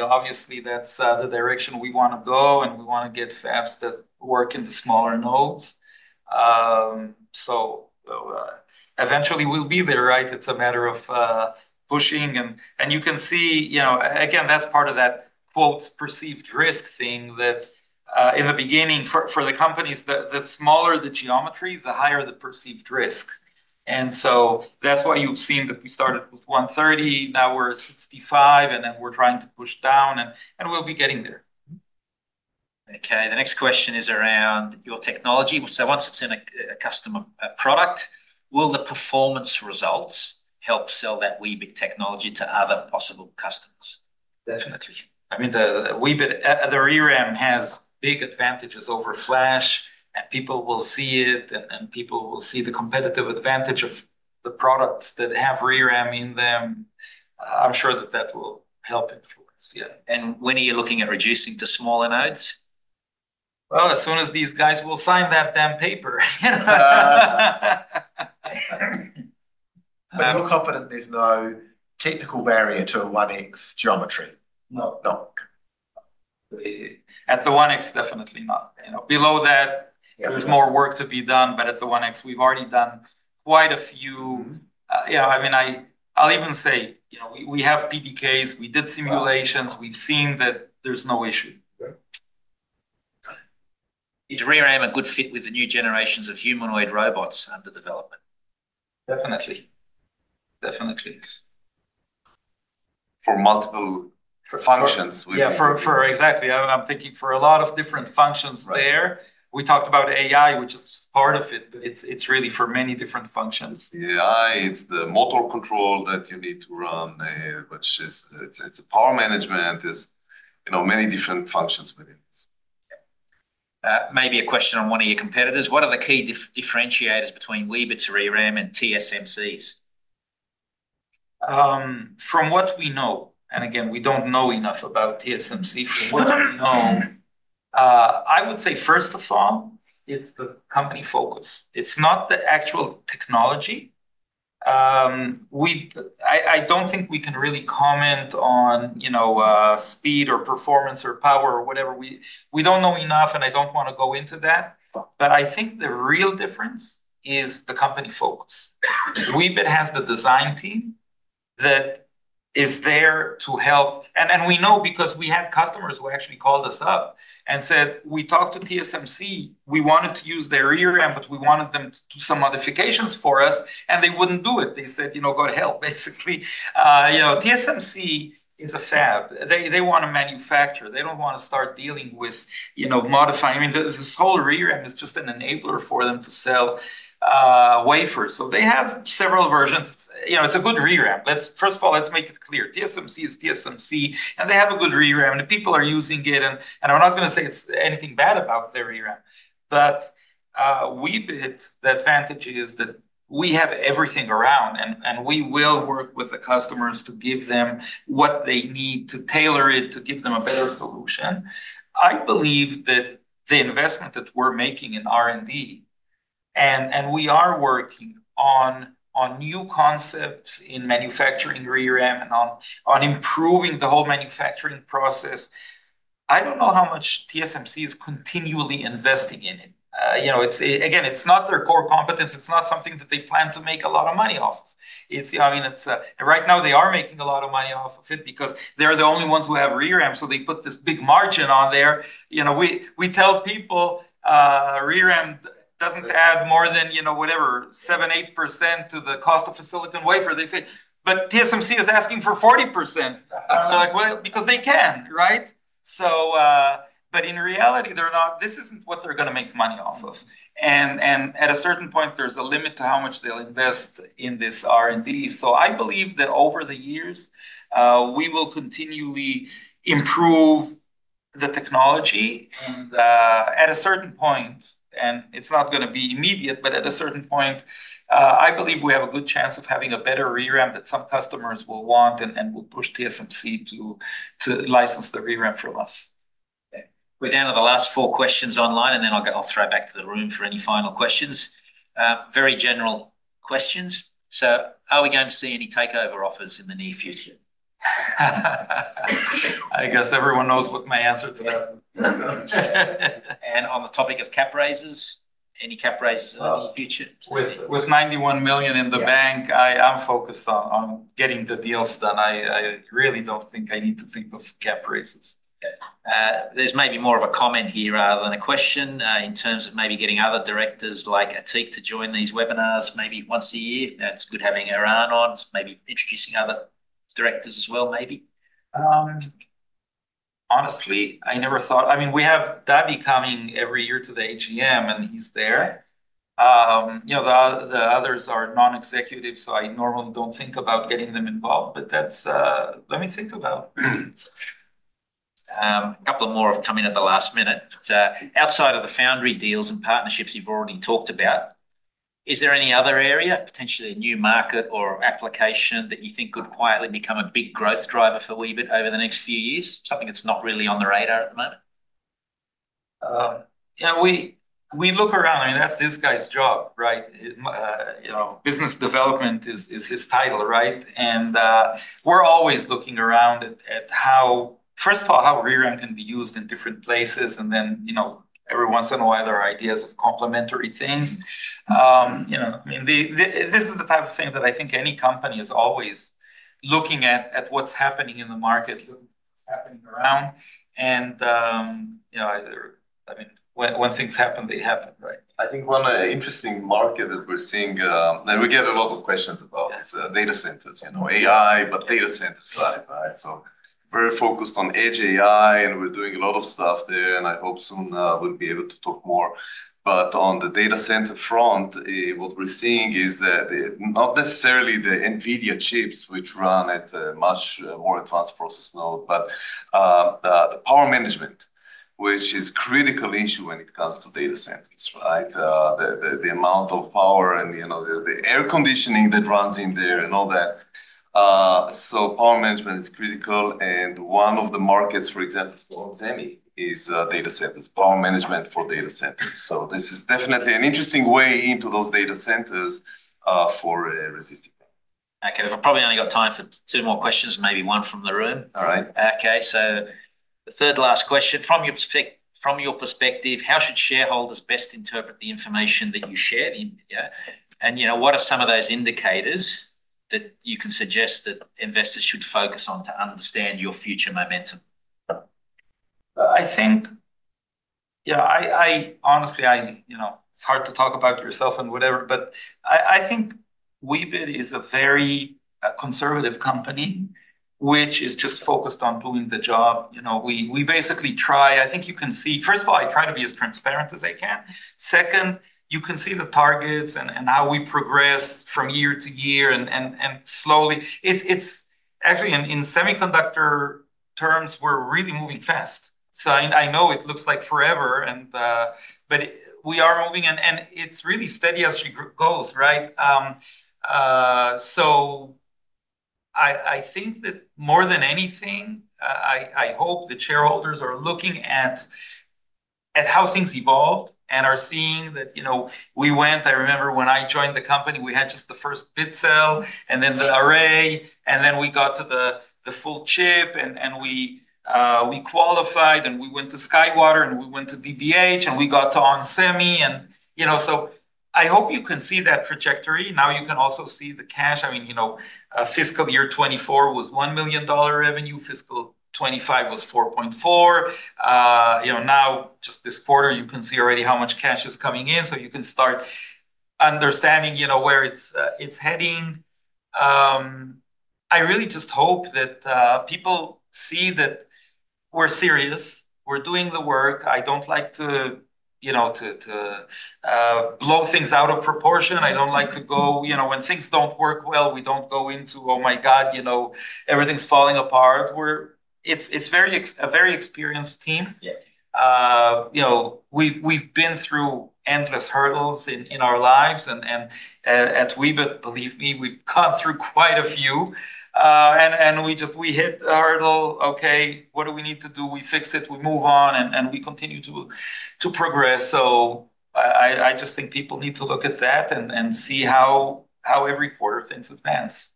know, obviously that's the direction we want to go, and we want to get fabs that work in the smaller nodes. Eventually we'll be there, right? It's a matter of pushing, and you can see, you know, again, that's part of that perceived risk thing that in the beginning for the companies, the smaller the geometry, the higher the perceived risk. That's why you've seen that we started with 130, now we're at 65, and then we're trying to push down, and we'll be getting there. Okay, the next question is around your technology. Once it's in a customer product, will the performance results help sell that Weebit technology to other possible customers? Definitely. I mean, the Weebit, the ReRAM has big advantages over Flash, and people will see it, and people will see the competitive advantage of the products that have ReRAM in them. I'm sure that that will help influence. Yeah. When are you looking at reducing to smaller nodes? As soon as these guys will sign that damn paper. Are you confident there's no technical barrier to a 1X geometry? No, no. At the 1X, definitely not. You know, below that, there's more work to be done, but at the 1X, we've already done quite a few. I'll even say, you know, we have PDKs, we did simulations, we've seen that there's no issue. Is ReRAM a good fit with the new generations of humanoid robots under development? Definitely. Definitely. For multiple functions. Yeah, for exactly. I'm thinking for a lot of different functions there. We talked about AI, which is part of it, but it's really for many different functions. AI, it's the motor control that you need to run, which is, it's a power management. It's, you know, many different functions within this. Maybe a question on one of your competitors. What are the key differentiators between Weebit's ReRAM and TSMC's? From what we know, and again, we don't know enough about TSMC, from what we know, I would say first of all, it's the company focus. It's not the actual technology. I don't think we can really comment on, you know, speed or performance or power or whatever. We don't know enough, and I don't want to go into that. I think the real difference is the company focus. Weebit has the design team that is there to help. We know because we had customers who actually called us up and said, we talked to TSMC, we wanted to use their ReRAM, but we wanted them to do some modifications for us, and they wouldn't do it. They said, you know, God help, basically. You know, TSMC is a fab. They want to manufacture. They don't want to start dealing with, you know, modifying. I mean, this whole ReRAM is just an enabler for them to sell wafers. They have several versions. It's a good ReRAM. First of all, let's make it clear. TSMC is TSMC, and they have a good ReRAM, and people are using it, and I'm not going to say anything bad about their ReRAM. Weebit, the advantage is that we have everything around, and we will work with the customers to give them what they need to tailor it to give them a better solution. I believe that the investment that we're making in R&D, and we are working on new concepts in manufacturing ReRAM and on improving the whole manufacturing process. I don't know how much TSMC is continually investing in it. Again, it's not their core competence. It's not something that they plan to make a lot of money off of. I mean, right now they are making a lot of money off of it because they're the only ones who have ReRAM. They put this big margin on there. We tell people ReRAM doesn't add more than, you know, whatever, 7%, 8% to the cost of a silicon wafer. They say, but TSMC is asking for 40%. I'm like, well, because they can, right? In reality, this isn't what they're going to make money off of. At a certain point, there's a limit to how much they'll invest in this R&D. I believe that over the years, we will continually improve the technology. At a certain point, and it's not going to be immediate, but at a certain point, I believe we have a good chance of having a better ReRAM that some customers will want and will push TSMC to license the ReRAM from us. We're down to the last four questions online, and then I'll throw it back to the room for any final questions. Very general questions. Are we going to see any takeover offers in the near future? I guess everyone knows what my answer to that would be. On the topic of cap raises, any cap raises in the near future? With $91 million in the bank, I am focused on getting the deals done. I really don't think I need to think of cap raises. There's maybe more of a comment here rather than a question in terms of maybe getting other directors like Atik to join these webinars maybe once a year. It's good having Eran on, maybe introducing other directors as well, maybe. Honestly, I never thought, I mean, we have David Perlmutter coming every year to the AGM, and he's there. You know, the others are non-executive, so I normally don't think about getting them involved, but that's, let me think about it. A couple more have come in at the last minute. Outside of the foundry deals and partnerships you've already talked about, is there any other area, potentially a new market or application that you think could quietly become a big growth driver for Weebit over the next few years? Something that's not really on the radar at the moment? Yeah, we look around. I mean, that's this guy's job, right? You know, Business Development is his title, right? We're always looking around at how, first of all, how ReRAM can be used in different places, and then, you know, every once in a while, there are ideas of complementary things. I mean, this is the type of thing that I think any company is always looking at what's happening in the market, looking at what's happening around. When things happen, they happen, right? I think one interesting market that we're seeing, and we get a lot of questions about, is data centers, you know, AI, but data center side, right? Very focused on edge AI, and we're doing a lot of stuff there. I hope soon we'll be able to talk more. On the data center front, what we're seeing is that not necessarily the NVIDIA chips, which run at much More advanced process node, but the power management, which is a critical issue when it comes to data centers, right? The amount of power and, you know, the air conditioning that runs in there and all that. Power management is critical, and one of the markets, for example, for onsemi is data centers, power management for data centers. This is definitely an interesting way into those data centers for resisting that. Okay, we've probably only got time for two more questions, maybe one from the room. All right. Okay, the third to last question: from your perspective, how should shareholders best interpret the information that you shared? What are some of those indicators that you can suggest that investors should focus on to understand your future momentum? I think, you know, I honestly, you know, it's hard to talk about yourself and whatever, but I Weebit is a very conservative company which is just focused on doing the job. You know, we basically try, I think you can see, first of all, I try to be as transparent as I can. Second, you can see the targets and how we progress from year to year and slowly. It's actually, in semiconductor terms, we're really moving fast. I know it looks like forever, but we are moving and it's really steady as it goes, right? I think that more than anything, I hope the shareholders are looking at how things evolved and are seeing that, you know, we went, I remember when I joined the company, we had just the first Bitcell and then the Array, and then we got to the full chip and we qualified and we went to SkyWater and we went to DB HiTek and we got to onsemi and, you know, I hope you can see that trajectory. Now you can also see the cash. I mean, you know, fiscal year 2024 was $1 million revenue, fiscal 2025 was $4.4 million. You know, now just this quarter you can see already how much cash is coming in, so you can start understanding, you know, where it's heading. I really just hope that people see that we're serious, we're doing the work. I don't like to, you know, blow things out of proportion. I don't like to go, you know, when things don't work well, we don't go into, oh my God, you know, everything's falling apart. It's a very experienced team. You know, we've been through endless hurdles in our lives and at Weebit, believe me, we've gone through quite a few and we just, we hit the hurdle, okay, what do we need to do? We fix it, we move on and we continue to progress. I just think people need to look at that and see how every quarter things advance.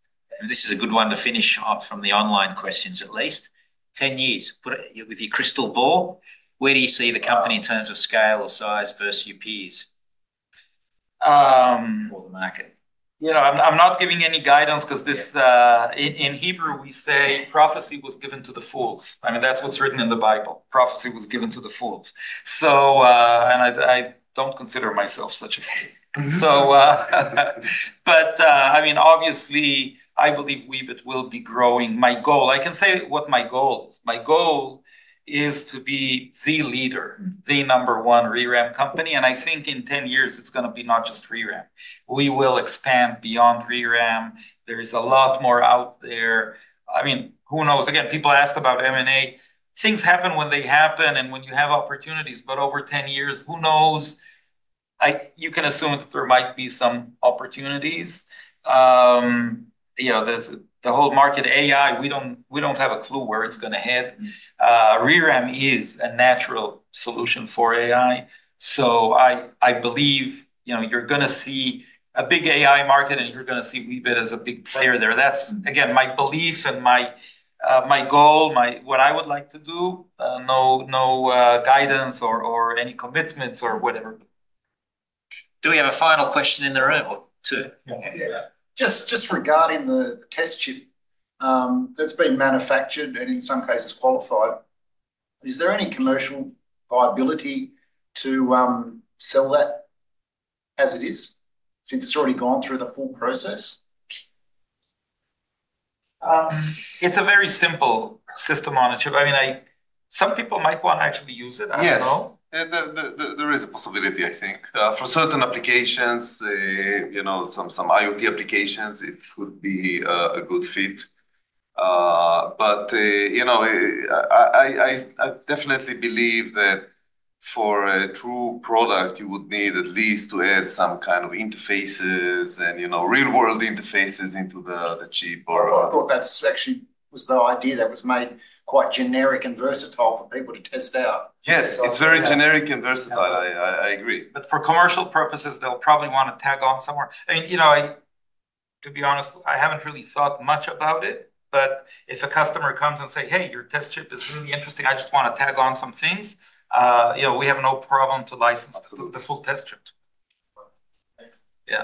This is a good one to finish off from the online questions. At least 10 years, with your crystal ball, where do you see the company in terms of scale or size versus your peers or the market? You know, I'm not giving any guidance because this, in Hebrew, we say prophecy was given to the fools. I mean, that's what's written in the Bible. Prophecy was given to the fools. I don't consider myself such a fool. I mean, obviously, I Weebit will be growing. My goal, I can say what my goal is. My goal is to be the leader, the number one ReRAM company, and I think in 10 years it's going to be not just ReRAM. We will expand beyond ReRAM. There is a lot more out there. Who knows? People asked about M&A. Things happen when they happen and when you have opportunities, but over 10 years, who knows? You can assume that there might be some opportunities. You know, the whole market AI, we don't have a clue where it's going to head. ReRAM is a natural solution for AI. I believe you're going to see a big AI market and you're going to Weebit as a big player there. That's, again, my belief and my goal, what I would like to do. No guidance or any commitments or whatever. Do we have a final question in the room? Just regarding the test chip that's being manufactured and in some cases qualified, is there any commercial viability to sell that as it is since it's already gone through the full process? It's a very simple system on a chip. I mean, some people might want to actually use it. Yes, there is a possibility, I think, for certain applications, you know, some IoT applications, it could be a good fit. I definitely believe that for a true product, you would need at least to add some kind of interfaces and, you know, real-world interfaces into the chip. I thought that selection was the idea that was made quite generic and versatile for people to test out. Yes, it's very generic and versatile. I agree. For commercial purposes, they'll probably want to tag on somewhere. To be honest, I haven't really thought much about it, but if a customer comes and says, "Hey, your test chip is really interesting, I just want to tag on some things," we have no problem to license the full test chip. Yeah.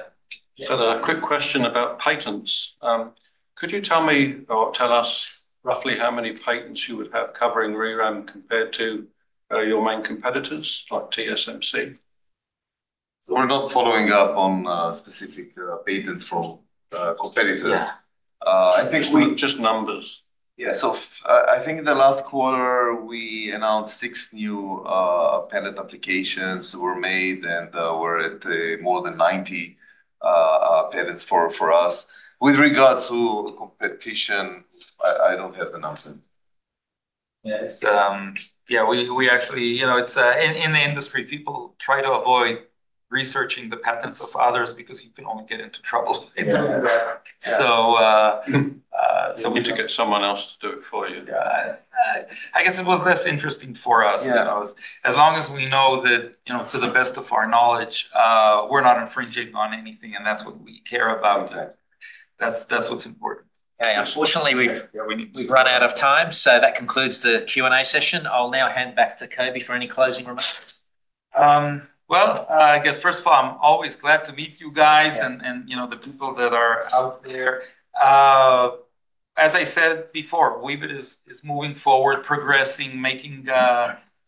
A quick question about patents. Could you tell me or tell us roughly how many patents you would have covErang ReRAM compared to your main competitors like TSMC? We're not following up on specific patents from competitors. I think we just numbers. Yeah, I think in the last quarter we announced six new patent applications were made, and we're at more than 90 patents for us. With regards to competition, I don't have the numbers. Yeah, we actually, you know, in the industry, people try to avoid researching the patents of others because you can only get into trouble. Exactly. We need to get someone else to do it for you. I guess it was less interesting for us. As long as we know that, to the best of our knowledge, we're not infringing on anything, and that's what we care about. That's what's important. Unfortunately, we've run out of time, so that concludes the Q&A session. I'll now hand back to Coby for any closing remarks. I guess first of all, I'm always glad to meet you guys and, you know, the people that are out there. As I said Weebit is moving forward, progressing, making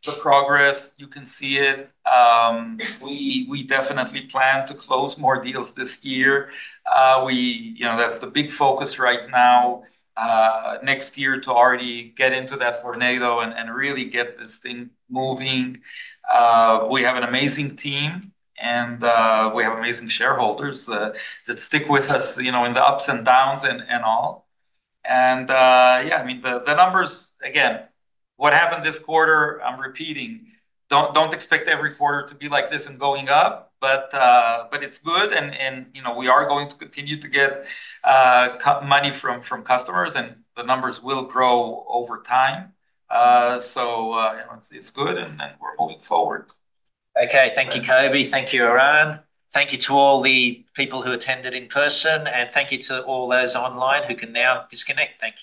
the progress. You can see it. We definitely plan to close more deals this year. That's the big focus right now. Next year to already get into that tornado and really get this thing moving. We have an amazing team and we have amazing shareholders that stick with us, you know, in the ups and downs and all. Yeah, I mean, the numbers, again, what happened this quarter, I'm repeating, don't expect every quarter to be like this and going up, but it's good and, you know, we are going to continue to get money from customers and the numbers will grow over time. It's good and we're moving forward. Okay, thank you, Coby. Thank you, Eran. Thank you to all the people who attended in person, and thank you to all those online who can now disconnect. Thank you.